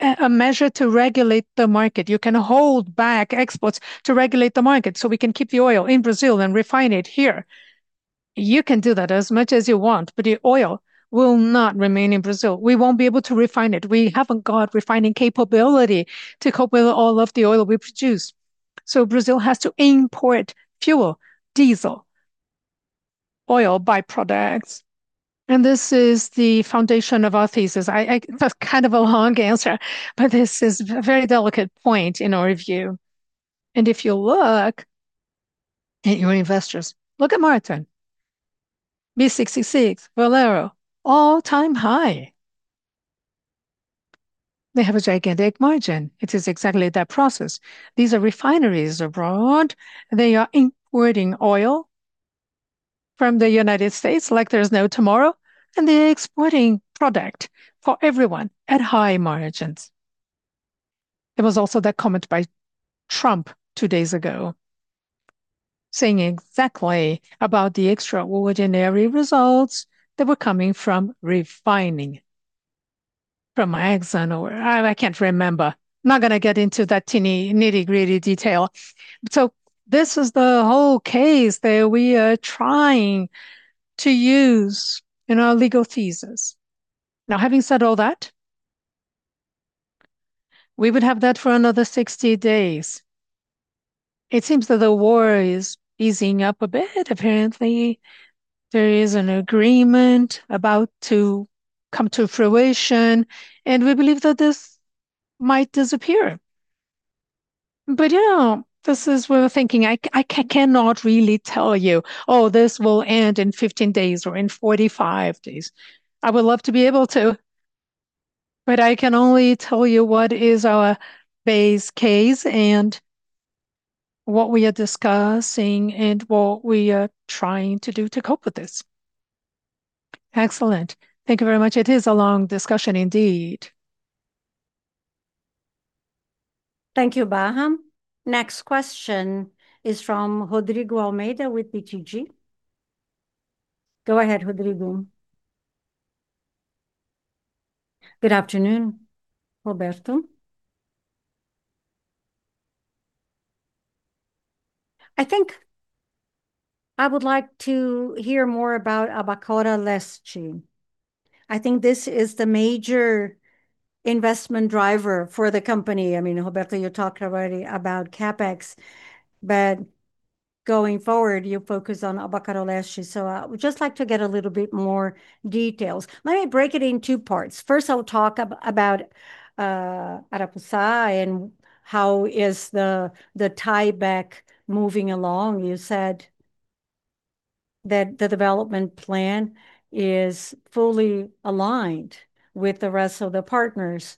a measure to regulate the market. You can hold back exports to regulate the market, we can keep the oil in Brazil and refine it here. You can do that as much as you want, but the oil will not remain in Brazil. We won't be able to refine it. We haven't got refining capability to cope with all of the oil we produce. Brazil has to import fuel, diesel, oil by-products, and this is the foundation of our thesis. That's kind of a long answer, but this is a very delicate point in our review. If you look at your investors, look at Marathon Petroleum, Phillips 66, Valero, all-time high. They have a gigantic margin. It is exactly that process. These are refineries abroad. They are importing oil from the United States like there's no tomorrow, and they are exporting product for everyone at high margins. There was also that comment by Trump two days ago saying exactly about the extraordinary results that were coming from refining from Exxon or I can't remember. I'm not going to get into that teeny nitty-gritty detail. This is the whole case that we are trying to use in our legal thesis. Having said all that, we would have that for another 60 days. It seems that the war is easing up a bit. Apparently, there is an agreement about to come to fruition, and we believe that this might disappear. Yeah, this is what we're thinking. I cannot really tell you, "Oh, this will end in 15 days or in 45 days." I would love to be able to, but I can only tell you what is our base case and what we are discussing and what we are trying to do to cope with this. Excellent. Thank you very much. It is a long discussion indeed. Thank you, Barra. Next question is from Rodrigo Almeida with BTG. Go ahead, Rodrigo. Good afternoon, Roberto. I think I would like to hear more about Albacora Leste. I think this is the major investment driver for the company. Roberto, you talked already about CapEx, but going forward, you focus on Albacora Leste. I would just like to get a little bit more details. Let me break it in two parts. First, I will talk about Arapuça and how is the tieback moving along. You said that the development plan is fully aligned with the rest of the partners.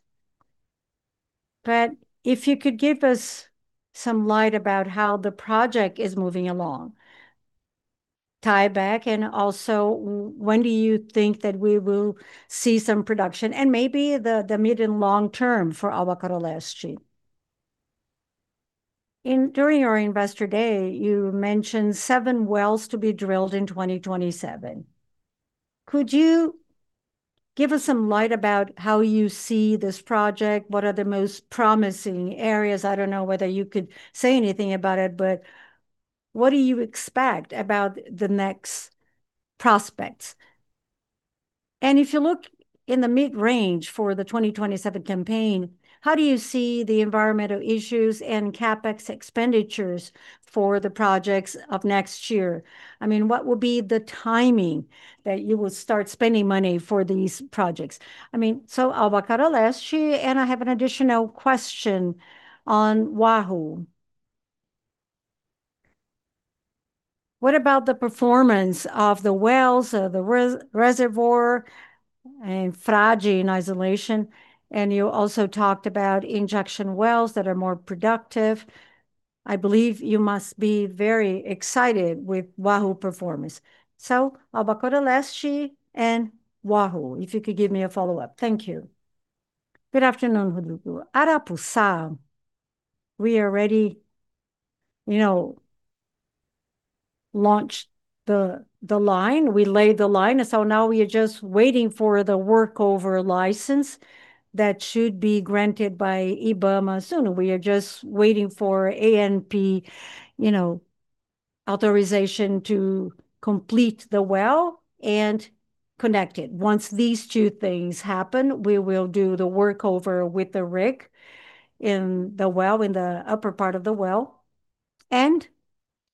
If you could give us some light about how the project is moving along, tieback, and also when do you think that we will see some production, and maybe the mid- and long-term for Albacora Leste. During your Investor Day, you mentioned seven wells to be drilled in 2027. Could you give us some light about how you see this project? What are the most promising areas? I don't know whether you could say anything about it, but what do you expect about the next prospects? If you look in the mid-range for the 2027 campaign, how do you see the environmental issues and CapEx expenditures for the projects of next year? What will be the timing that you will start spending money for these projects? Albacora Leste, and I have an additional question on Wahoo. What about the performance of the wells of the reservoir in Frade and isolation? You also talked about injection wells that are more productive. I believe you must be very excited with Wahoo performance. Albacora Leste and Wahoo, if you could give me a follow-up. Thank you. Good afternoon, Rodrigo. Arapuça, we already launched the line. We laid the line. Now we are just waiting for the workover license that should be granted by IBAMA soon. We are just waiting for ANP. Authorization to complete the well and connect it. Once these two things happen, we will do the workover with the rig in the upper part of the well.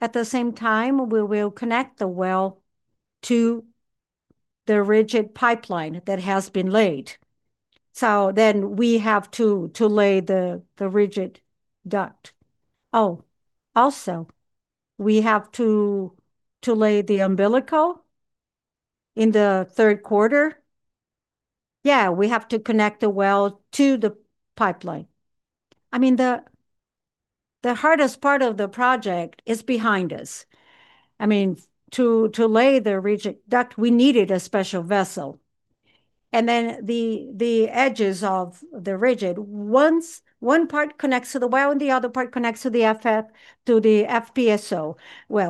At the same time, we will connect the well to the rigid pipeline that has been laid. We have to lay the rigid duct. Also, we have to lay the umbilical in the third quarter. We have to connect the well to the pipeline. The hardest part of the project is behind us. To lay the rigid duct, we needed a special vessel. The edges of the rigid, one part connects to the well, and the other part connects to the FPSO.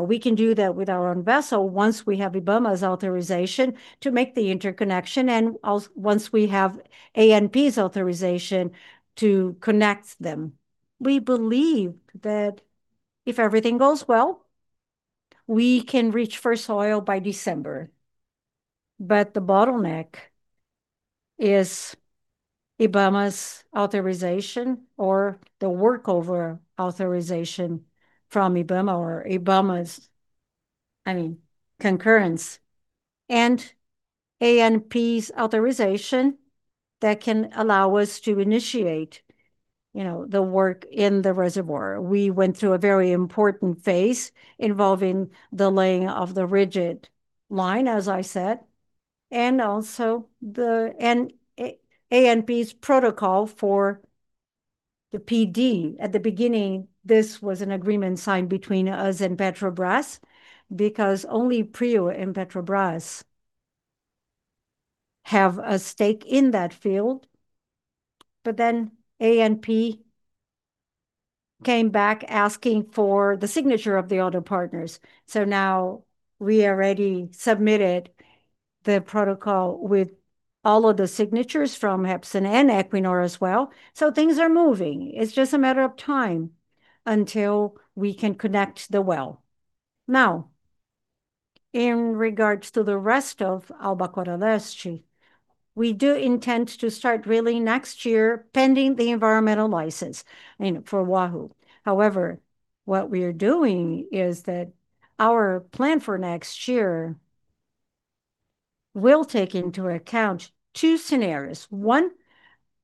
We can do that with our own vessel once we have IBAMA's authorization to make the interconnection and once we have ANP's authorization to connect them. We believe that if everything goes well, we can reach first oil by December. The bottleneck is IBAMA's authorization or the workover authorization from IBAMA or IBAMA's concurrence and ANP's authorization that can allow us to initiate the work in the reservoir. We went through a very important phase involving the laying of the rigid line, as I said. Also the ANP's protocol for the PD. At the beginning, this was an agreement signed between us and Petrobras because only Prio and Petrobras have a stake in that field. ANP came back asking for the signature of the other partners. We already submitted the protocol with all of the signatures from Repsol and Equinor as well. Things are moving. It's just a matter of time until we can connect the well. In regards to the rest of Albacora Leste, we do intend to start drilling next year pending the environmental license for Wahoo. What we are doing is that our plan for next year will take into account two scenarios. One,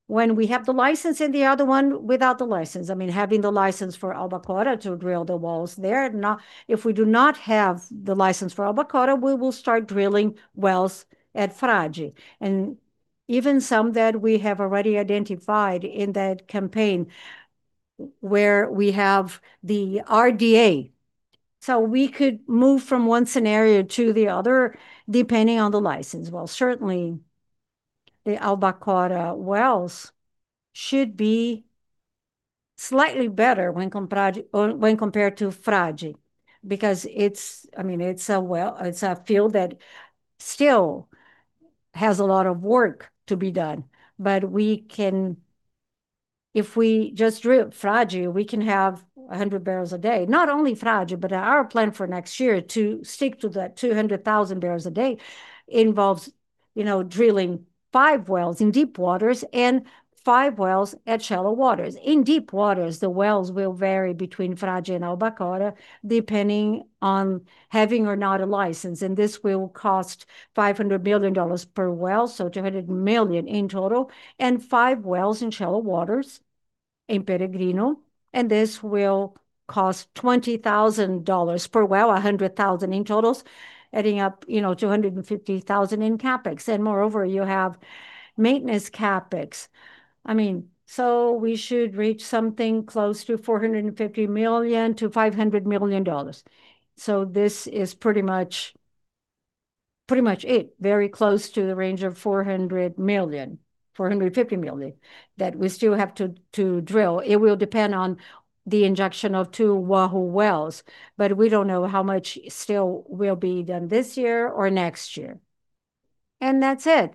when we have the license and the other one without the license. Having the license for Albacora to drill the wells there. If we do not have the license for Albacora, we will start drilling wells at Frade and even some that we have already identified in that campaign where we have the RDA. We could move from one scenario to the other depending on the license. Certainly the Albacora wells should be slightly better when compared to Frade because it's a field that still has a lot of work to be done. If we just drill Frade, we can have 100 barrels a day. Not only Frade but our plan for next year to stick to that 200,000 barrels a day involves drilling five wells in deep waters and five wells at shallow waters. In deep waters, the wells will vary between Frade and Albacora depending on having or not a license and this will cost $500 million per well, so $200 million in total, and five wells in shallow waters in Peregrino, and this will cost $20,000 per well, $100,000 in totals adding up $250,000 in CapEx. Moreover, you have maintenance CapEx. We should reach something close to $450 million-$500 million. This is pretty much it. Very close to the range of $450 million that we still have to drill. It will depend on the injection of two Wahoo wells, but we don't know how much still will be done this year or next year. That's it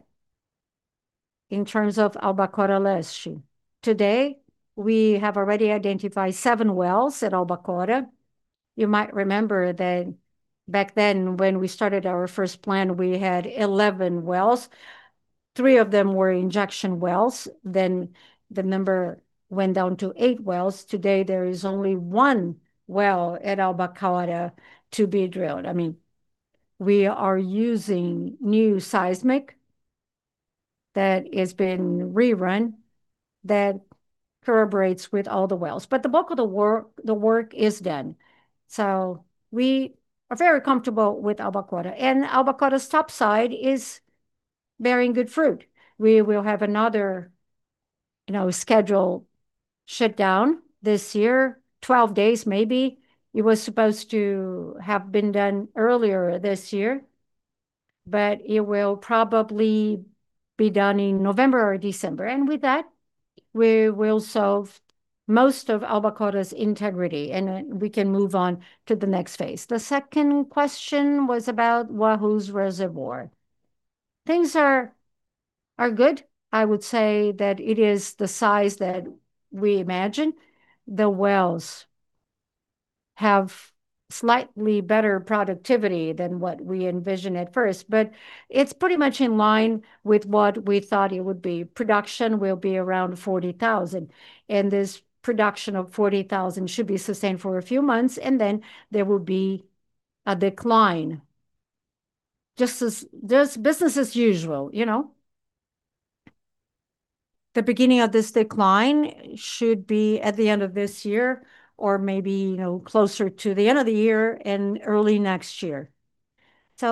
in terms of Albacora Leste. Today, we have already identified seven wells at Albacora. You might remember that back then when we started our first plan, we had 11 wells. Three of them were injection wells, then the number went down to eight wells. Today, there is only one well at Albacora to be drilled. We are using new seismic that has been rerun that corroborates with all the wells. The bulk of the work is done. We are very comfortable with Albacora and Albacora's topside is bearing good fruit. We will have another scheduled shutdown this year, 12 days maybe. It was supposed to have been done earlier this year, but it will probably be done in November or December. With that, we will solve most of Albacora's integrity, and then we can move on to the next phase. The second question was about Wahoo's reservoir. Things are good. I would say that it is the size that we imagined. The wells have slightly better productivity than what we envisioned at first, but it's pretty much in line with what we thought it would be. Production will be around 40,000. This production of 40,000 should be sustained for a few months, and then there will be a decline. Just business as usual. The beginning of this decline should be at the end of this year or maybe closer to the end of the year and early next year.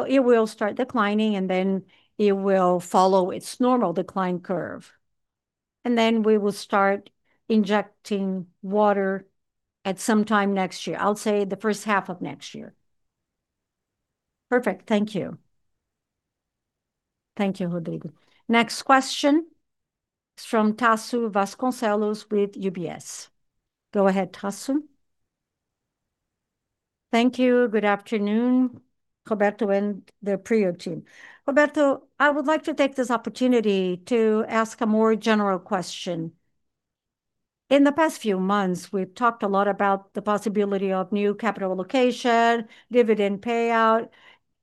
It will start declining, and then it will follow its normal decline curve. We will start injecting water at some time next year. I'll say the first half of next year. Perfect. Thank you. Thank you, Rodrigo. Next question is from Tasso Vasconcellos with UBS. Go ahead, Tasso. Thank you. Good afternoon, Roberto and the Prio team. Roberto, I would like to take this opportunity to ask a more general question. In the past few months, we've talked a lot about the possibility of new capital allocation, dividend payout.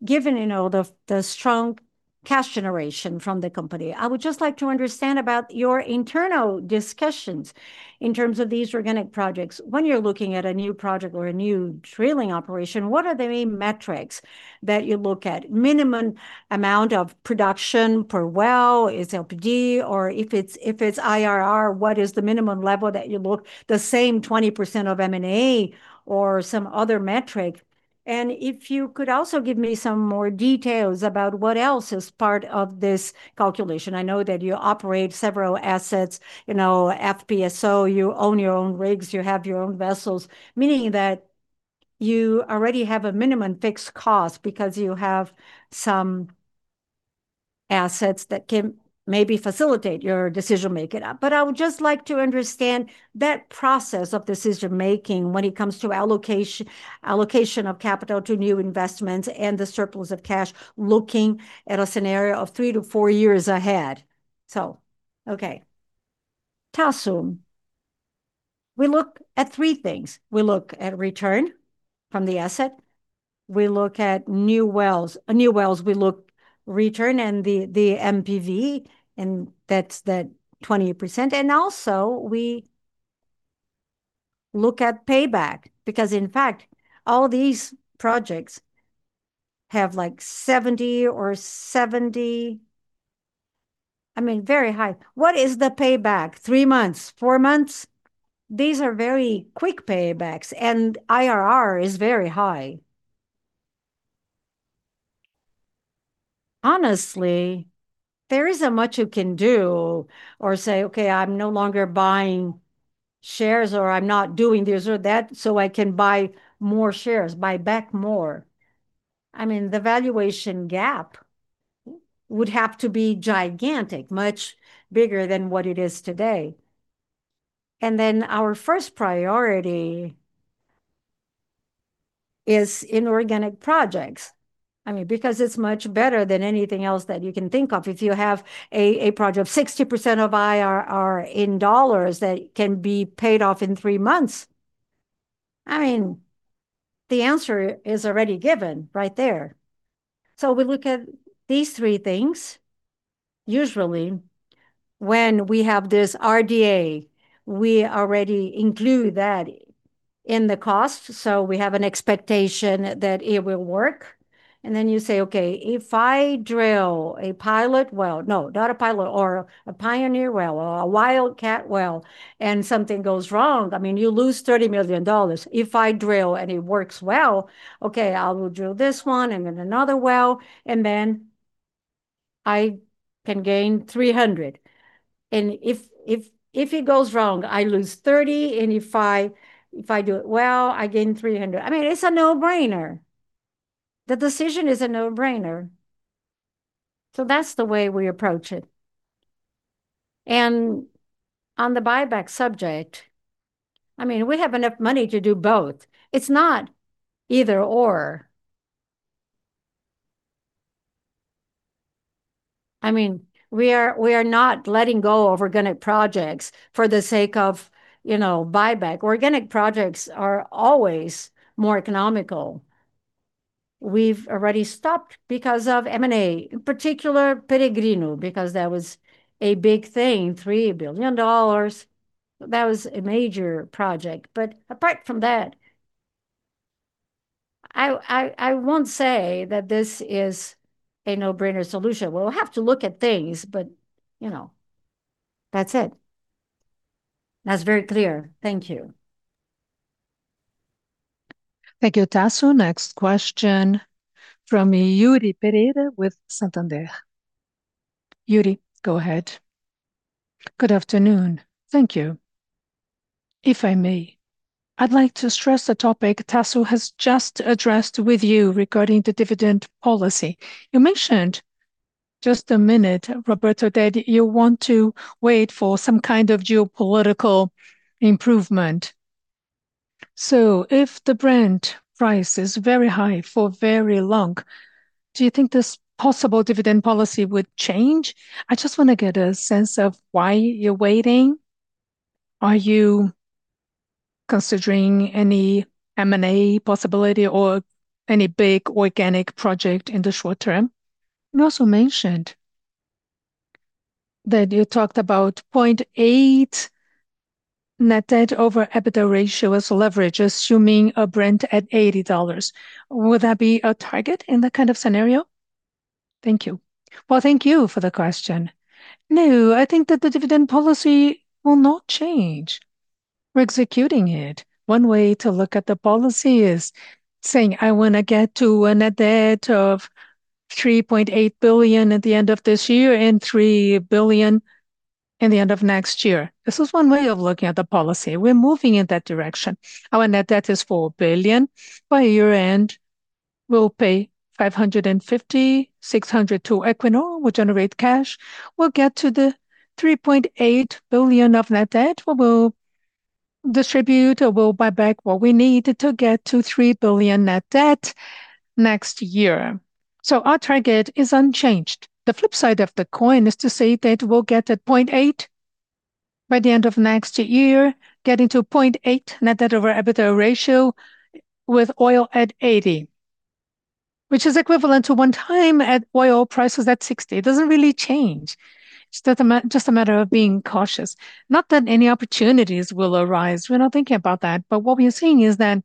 Given the strong cash generation from the company, I would just like to understand about your internal discussions in terms of these organic projects. When you're looking at a new project or a new drilling operation, what are the main metrics that you look at? Minimum amount of production per well is kbpd or if it's IRR, what is the minimum level that you look, the same 20% of M&A or some other metric? If you could also give me some more details about what else is part of this calculation. I know that you operate several assets, FPSO, you own your own rigs, you have your own vessels, meaning that you already have a minimum fixed cost because you have some assets that can maybe facilitate your decision-making. I would just like to understand that process of decision-making when it comes to allocation of capital to new investments and the surplus of cash, looking at a scenario of three to four years ahead. Okay. Tasso, we look at three things. We look at return from the asset, we look at new wells. We look return and the NPV, and that's that 20%. We look at payback because in fact, all these projects have 70 or 70, very high. What is the payback? Three months, four months. These are very quick paybacks, and IRR is very high. Honestly, there isn't much you can do or say, "Okay, I'm no longer buying shares," or, "I'm not doing this or that so I can buy more shares, buy back more." The valuation gap would have to be gigantic, much bigger than what it is today. Our first priority is inorganic projects because it's much better than anything else that you can think of. If you have a project of 60% of IRR in dollars that can be paid off in three months. The answer is already given right there. We look at these three things. Usually, when we have this RDA, we already include that in the cost, we have an expectation that it will work. You say, "Okay, if I drill a pilot well" No, not a pilot or a pioneer well, or a wildcat well, and something goes wrong, you lose $30 million. If I drill and it works well, okay, I will drill this one, another well, I can gain $300 million. If it goes wrong, I lose $30 million, and if I do it well, I gain $300 million. It's a no-brainer. The decision is a no-brainer. That's the way we approach it. On the buyback subject, we have enough money to do both. It's not either/or. We are not letting go of organic projects for the sake of buyback. Organic projects are always more economical. We've already stopped because of M&A, in particular Peregrino, because that was a big thing, $3 billion. That was a major project. Apart from that, I won't say that this is a no-brainer solution. We'll have to look at things, but that's it. That's very clear. Thank you. Thank you, Tasso. Next question from Yuri Pereira with Santander. Yuri, go ahead. Good afternoon. Thank you. If I may, I'd like to stress a topic Tasso has just addressed with you regarding the dividend policy. You mentioned just a minute, Roberto, that you want to wait for some kind of geopolitical improvement If the Brent price is very high for very long, do you think this possible dividend policy would change? I just want to get a sense of why you're waiting. Are you considering any M&A possibility or any big organic project in the short term? You also mentioned that you talked about 0.8 net debt over EBITDA ratio as leverage, assuming a Brent at $80. Would that be a target in that kind of scenario? Thank you. Thank you for the question. I think that the dividend policy will not change. We're executing it. One way to look at the policy is saying, "I want to get to a net debt of $3.8 billion at the end of this year and $3 billion in the end of next year." This is one way of looking at the policy. We're moving in that direction. Our net debt is $4 billion. By year-end, we'll pay $550 million, $600 million to Equinor. We'll generate cash. We'll get to the $3.8 billion of net debt. We will distribute or we'll buy back what we need to get to $3 billion net debt next year. Our target is unchanged. The flip side of the coin is to say that we'll get at 0.8 by the end of next year, getting to 0.8 net debt over EBITDA ratio with oil at $80, which is equivalent to one time at oil prices at $60. It doesn't really change. It's just a matter of being cautious. Not that any opportunities will arise. We're not thinking about that. What we are seeing is that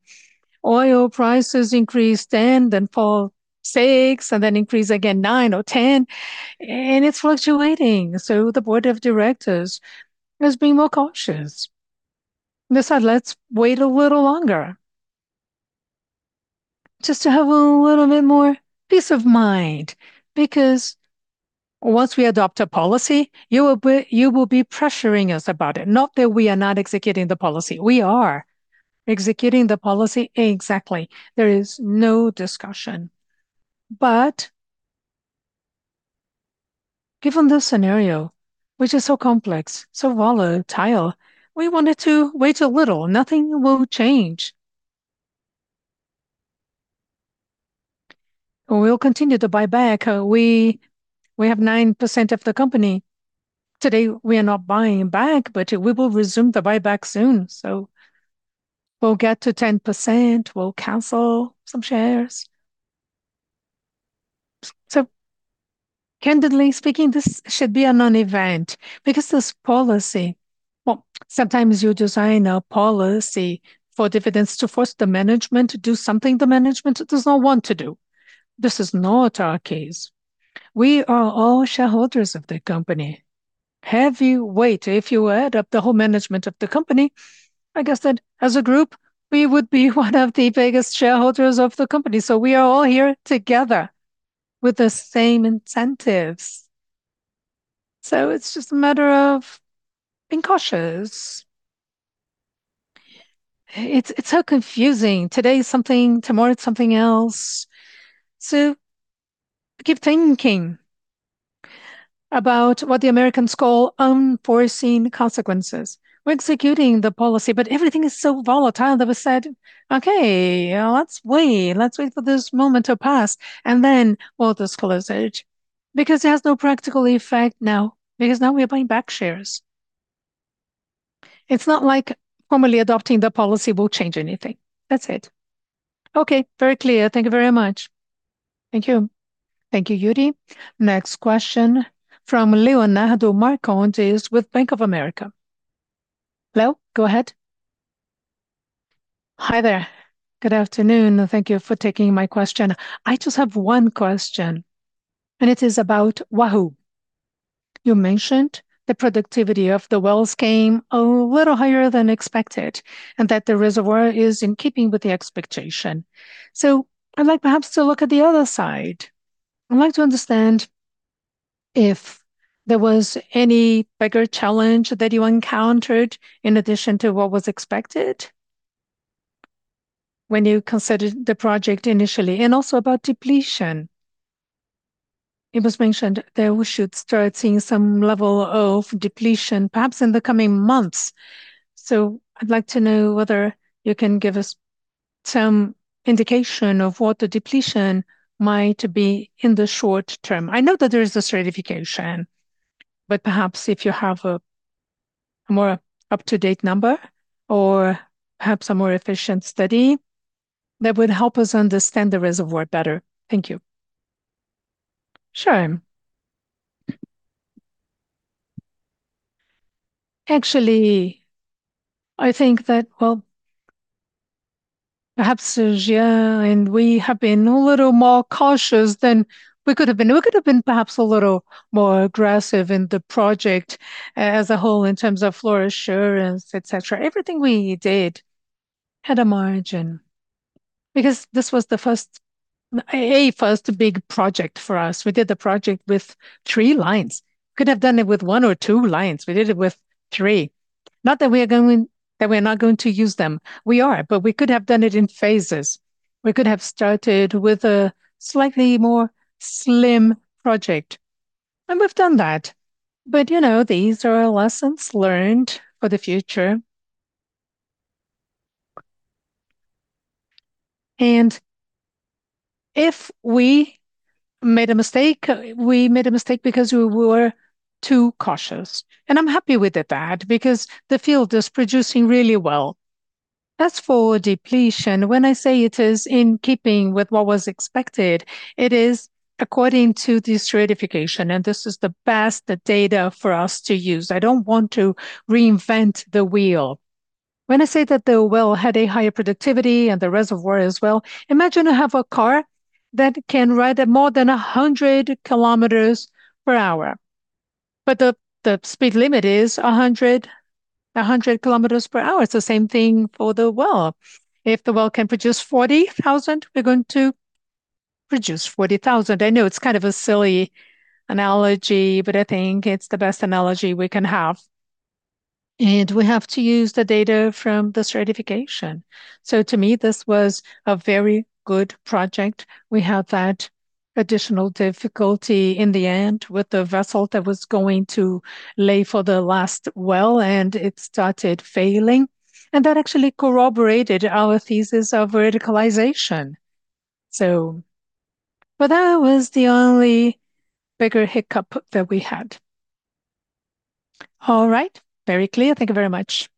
oil prices increase 10, then fall six, and then increase again nine or 10, and it's fluctuating, the board of directors is being more cautious. They said, "Let's wait a little longer just to have a little bit more peace of mind." Because once we adopt a policy, you will be pressuring us about it. Not that we are not executing the policy. We are executing the policy exactly. There is no discussion. Given the scenario, which is so complex, so volatile, we wanted to wait a little. Nothing will change. We'll continue to buy back. We have 9% of the company. Today, we are not buying back, but we will resume the buyback soon. We'll get to 10%, we'll cancel some shares. Candidly speaking, this should be a non-event because this policy, well, sometimes you design a policy for dividends to force the management to do something the management does not want to do. This is not our case. We are all shareholders of the company. Heavy weight. If you add up the whole management of the company, I guess that, as a group, we would be one of the biggest shareholders of the company. We are all here together with the same incentives. It's just a matter of being cautious. It's so confusing. Today is something, tomorrow it's something else. Keep thinking about what the Americans call unforeseen consequences. We're executing the policy, but everything is so volatile that we said, "Okay, let's wait." Let's wait for this moment to pass, and then we'll disclose it. Because it has no practical effect now, because now we are buying back shares. It's not like formally adopting the policy will change anything. That's it. Okay. Very clear. Thank you very much. Thank you. Thank you, Yuri. Next question from Leonardo Marcondes with Bank of America. Leo, go ahead. Hi there. Good afternoon. Thank you for taking my question. I just have one question. It is about Wahoo. You mentioned the productivity of the wells came a little higher than expected. The reservoir is in keeping with the expectation. I'd like perhaps to look at the other side. I'd like to understand if there was any bigger challenge that you encountered in addition to what was expected when you considered the project initially. Also about depletion. It was mentioned that we should start seeing some level of depletion, perhaps in the coming months. I'd like to know whether you can give us some indication of what the depletion might be in the short term. I know that there is a certification, perhaps if you have a more up-to-date number or perhaps a more efficient study, that would help us understand the reservoir better. Thank you. Sure. Actually, I think that, well, perhaps, yeah, we have been a little more cautious than we could have been. We could have been perhaps a little more aggressive in the project as a whole in terms of floor assurance, et cetera. Everything we did had a margin because this was the first big project for us. We did the project with 3 lines. We could have done it with one or two lines. We did it with 3. Not that we're not going to use them. We are, we could have done it in phases. We could have started with a slightly more slim project we've done that. These are our lessons learned for the future. If we made a mistake, we made a mistake because we were too cautious. I'm happy with that because the field is producing really well. As for depletion, when I say it is in keeping with what was expected, it is according to the stratification, and this is the best data for us to use. I don't want to reinvent the wheel. When I say that the well had a higher productivity and the reservoir as well, imagine I have a car that can ride at more than 100 kilometers per hour, the speed limit is 100 kilometers per hour. It's the same thing for the well. If the well can produce 40,000, we're going to produce 40,000. I know it's kind of a silly analogy, I think it's the best analogy we can have. We have to use the data from the stratification. To me, this was a very good project. We had that additional difficulty in the end with the vessel that was going to lay for the last well, and it started failing. That actually corroborated our thesis of verticalization. That was the only bigger hiccup that we had. All right. Very clear. Thank you very much.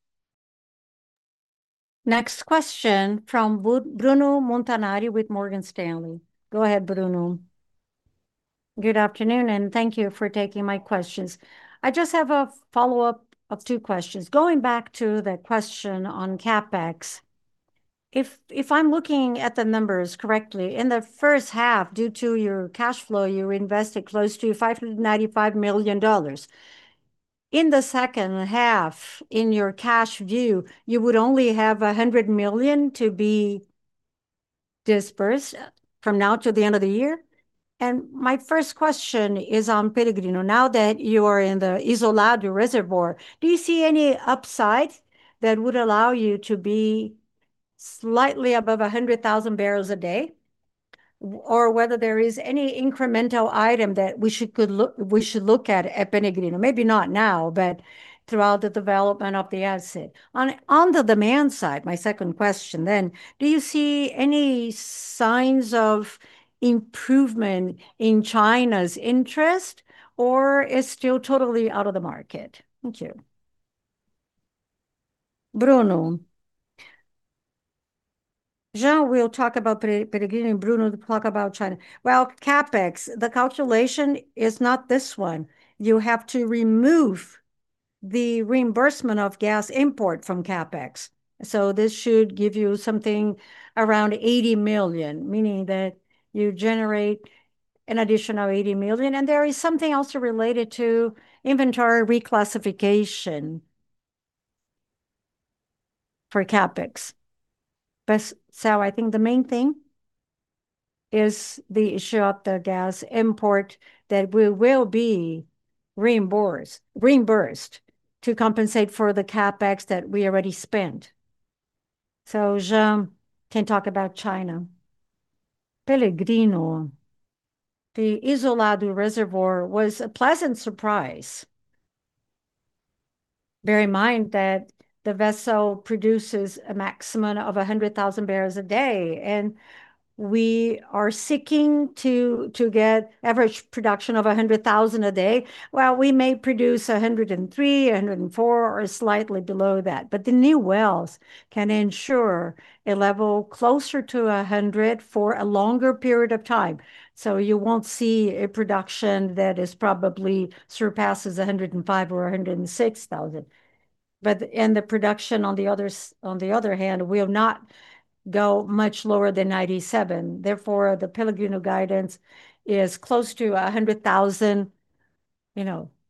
Next question from Bruno Montanari with Morgan Stanley. Go ahead, Bruno. Good afternoon, thank you for taking my questions. I just have a follow-up of two questions. Going back to the question on CapEx, if I'm looking at the numbers correctly, in the first half, due to your cash flow, you invested close to $595 million. In the second half, in your cash view, you would only have $100 million to be dispersed from now to the end of the year? My first question is on Peregrino. Now that you are in the Isolado reservoir, do you see any upsides that would allow you to be slightly above 100,000 barrels a day? Whether there is any incremental item that we should look at at Peregrino, maybe not now, but throughout the development of the asset. On the demand side, my second question, do you see any signs of improvement in China's interest, or is still totally out of the market? Thank you. Bruno. João will talk about Peregrino, and Bruno will talk about China. CapEx, the calculation is not this one. You have to remove the reimbursement of gas import from CapEx. This should give you something around $80 million, meaning that you generate an additional $80 million. There is something also related to inventory reclassification for CapEx. I think the main thing is the issue of the gas import that we will be reimbursed to compensate for the CapEx that we already spent. João can talk about China. Peregrino, the Isolado reservoir was a pleasant surprise. Bear in mind that the vessel produces a maximum of 100,000 barrels a day, we are seeking to get average production of 100,000 a day. We may produce 103,000, 104,000, or slightly below that. The new wells can ensure a level closer to 100,000 for a longer period of time. You won't see a production that probably surpasses 105,000 or 106,000. In the production, on the other hand, will not go much lower than 97,000. The Peregrino guidance is close to 100,000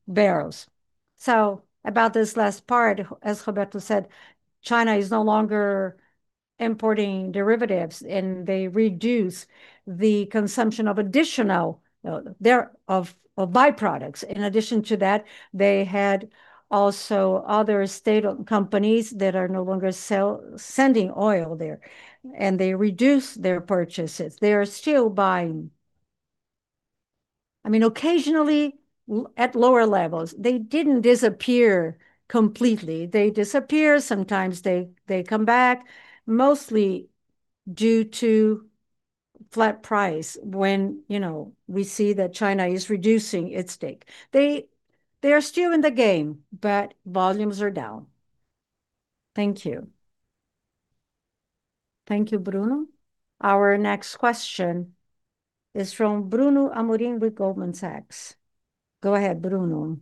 barrels. About this last part, as Roberto said, China is no longer importing derivatives, they reduce the consumption of additional byproducts. In addition to that, they had also other state companies that are no longer sending oil there, they reduce their purchases. They are still buying. Occasionally at lower levels. They didn't disappear completely. They disappear, sometimes they come back, mostly due to flat price when we see that China is reducing its stake. They are still in the game, volumes are down. Thank you. Thank you, Bruno. Our next question is from Bruno Amorim with Goldman Sachs. Go ahead, Bruno.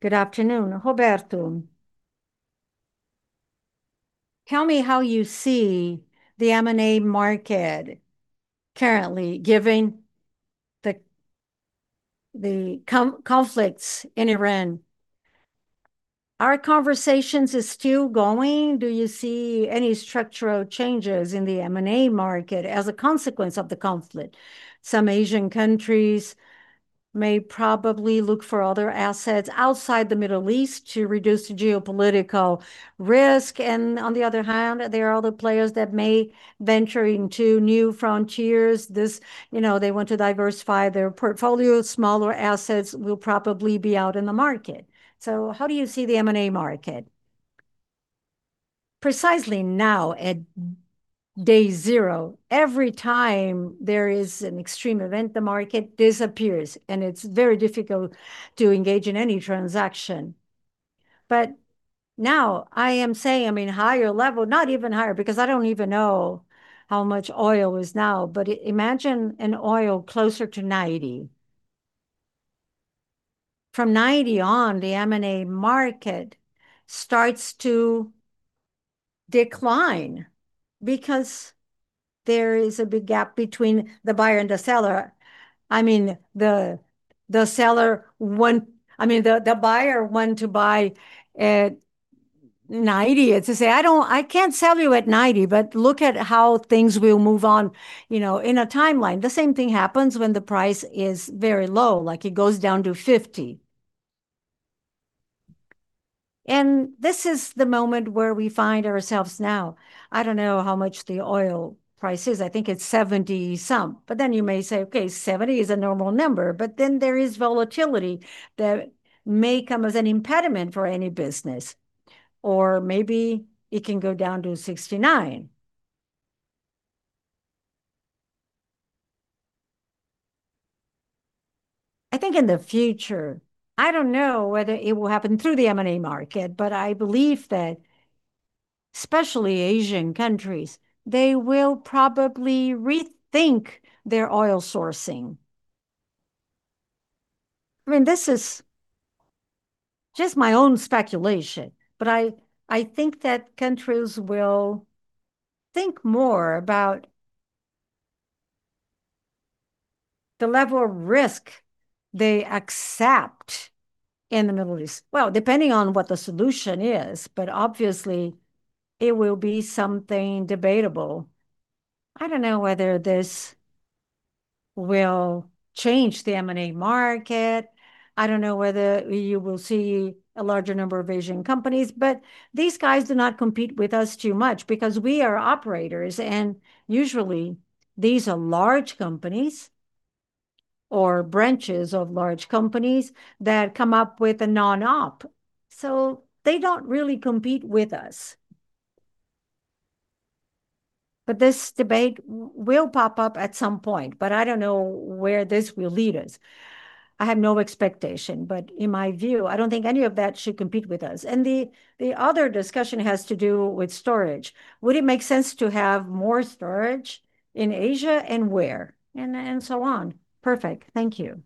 Good afternoon. Roberto, tell me how you see the M&A market currently given the conflicts in Iran. Are conversations still going? Do you see any structural changes in the M&A market as a consequence of the conflict? Some Asian countries may probably look for other assets outside the Middle East to reduce the geopolitical risk. On the other hand, there are other players that may venture into new frontiers. They want to diversify their portfolio. Smaller assets will probably be out in the market. How do you see the M&A market? Precisely now at day zero, every time there is an extreme event, the market disappears, it's very difficult to engage in any transaction. Now I am saying, higher level, not even higher, because I don't even know how much oil is now, imagine an oil closer to 90. From 90 on, the M&A market starts to decline because there is a big gap between the buyer and the seller. The buyer wants to buy at 90, and says, "I can't sell you at 90," but look at how things will move on in a timeline. The same thing happens when the price is very low, like it goes down to 50. This is the moment where we find ourselves now. I don't know how much the oil price is. I think it's 70-some. You may say, okay, 70 is a normal number, but then there is volatility that may come as an impediment for any business, or maybe it can go down to 69. I think in the future, I don't know whether it will happen through the M&A market, but I believe that especially Asian countries, they will probably rethink their oil sourcing. This is just my own speculation, but I think that countries will think more about the level of risk they accept in the Middle East. Depending on what the solution is, but obviously it will be something debatable. I don't know whether this will change the M&A market. I don't know whether you will see a larger number of Asian companies, but these guys do not compete with us too much because we are operators, and usually these are large companies or branches of large companies that come up with a non-op. They don't really compete with us. This debate will pop up at some point, but I don't know where this will lead us. I have no expectation, but in my view, I don't think any of that should compete with us. The other discussion has to do with storage. Would it make sense to have more storage in Asia and where? So on. Perfect. Thank you.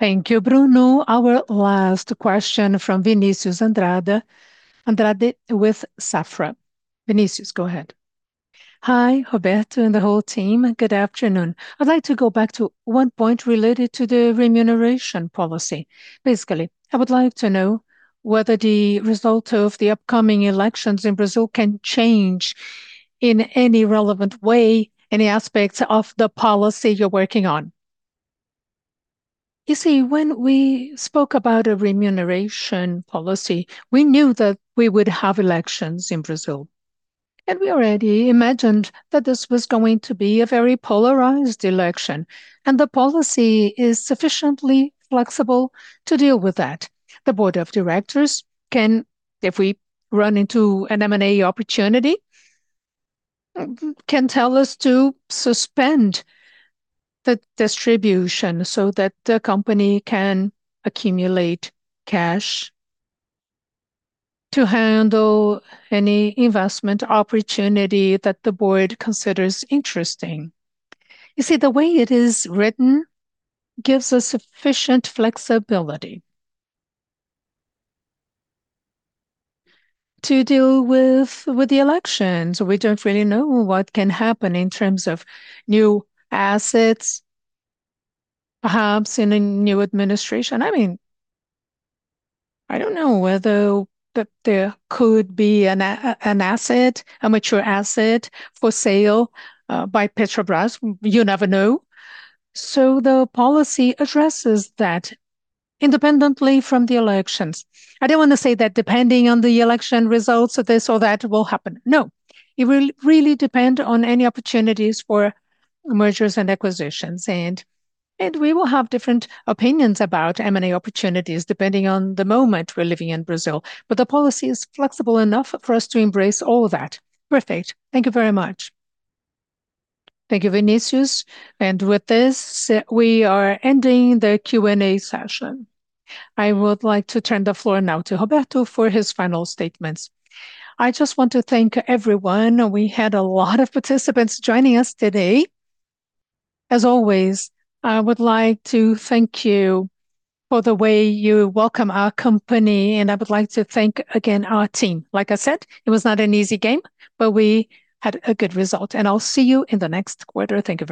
Thank you, Bruno. Our last question from Vinicius Andrade with Safra. Vinicius, go ahead. Hi, Roberto and the whole team. Good afternoon. I'd like to go back to one point related to the remuneration policy. Basically, I would like to know whether the result of the upcoming elections in Brazil can change in any relevant way, any aspects of the policy you're working on. When we spoke about a remuneration policy, we knew that we would have elections in Brazil, and we already imagined that this was going to be a very polarized election, and the policy is sufficiently flexible to deal with that. The board of directors can, if we run into an M&A opportunity, can tell us to suspend the distribution so that the company can accumulate cash to handle any investment opportunity that the board considers interesting. The way it is written gives us sufficient flexibility to deal with the elections. We don't really know what can happen in terms of new assets, perhaps in a new administration. I don't know whether there could be a mature asset for sale by Petrobras. You never know. The policy addresses that independently from the elections. I don't want to say that depending on the election results, that this or that will happen. No. It will really depend on any opportunities for mergers and acquisitions. We will have different opinions about M&A opportunities depending on the moment we're living in Brazil, but the policy is flexible enough for us to embrace all that. Perfect. Thank you very much. Thank you, Vinicius. With this, we are ending the Q&A session. I would like to turn the floor now to Roberto for his final statements. I just want to thank everyone. We had a lot of participants joining us today. As always, I would like to thank you for the way you welcome our company, and I would like to thank again our team. Like I said, it was not an easy game, but we had a good result, and I'll see you in the next quarter. Thank you very much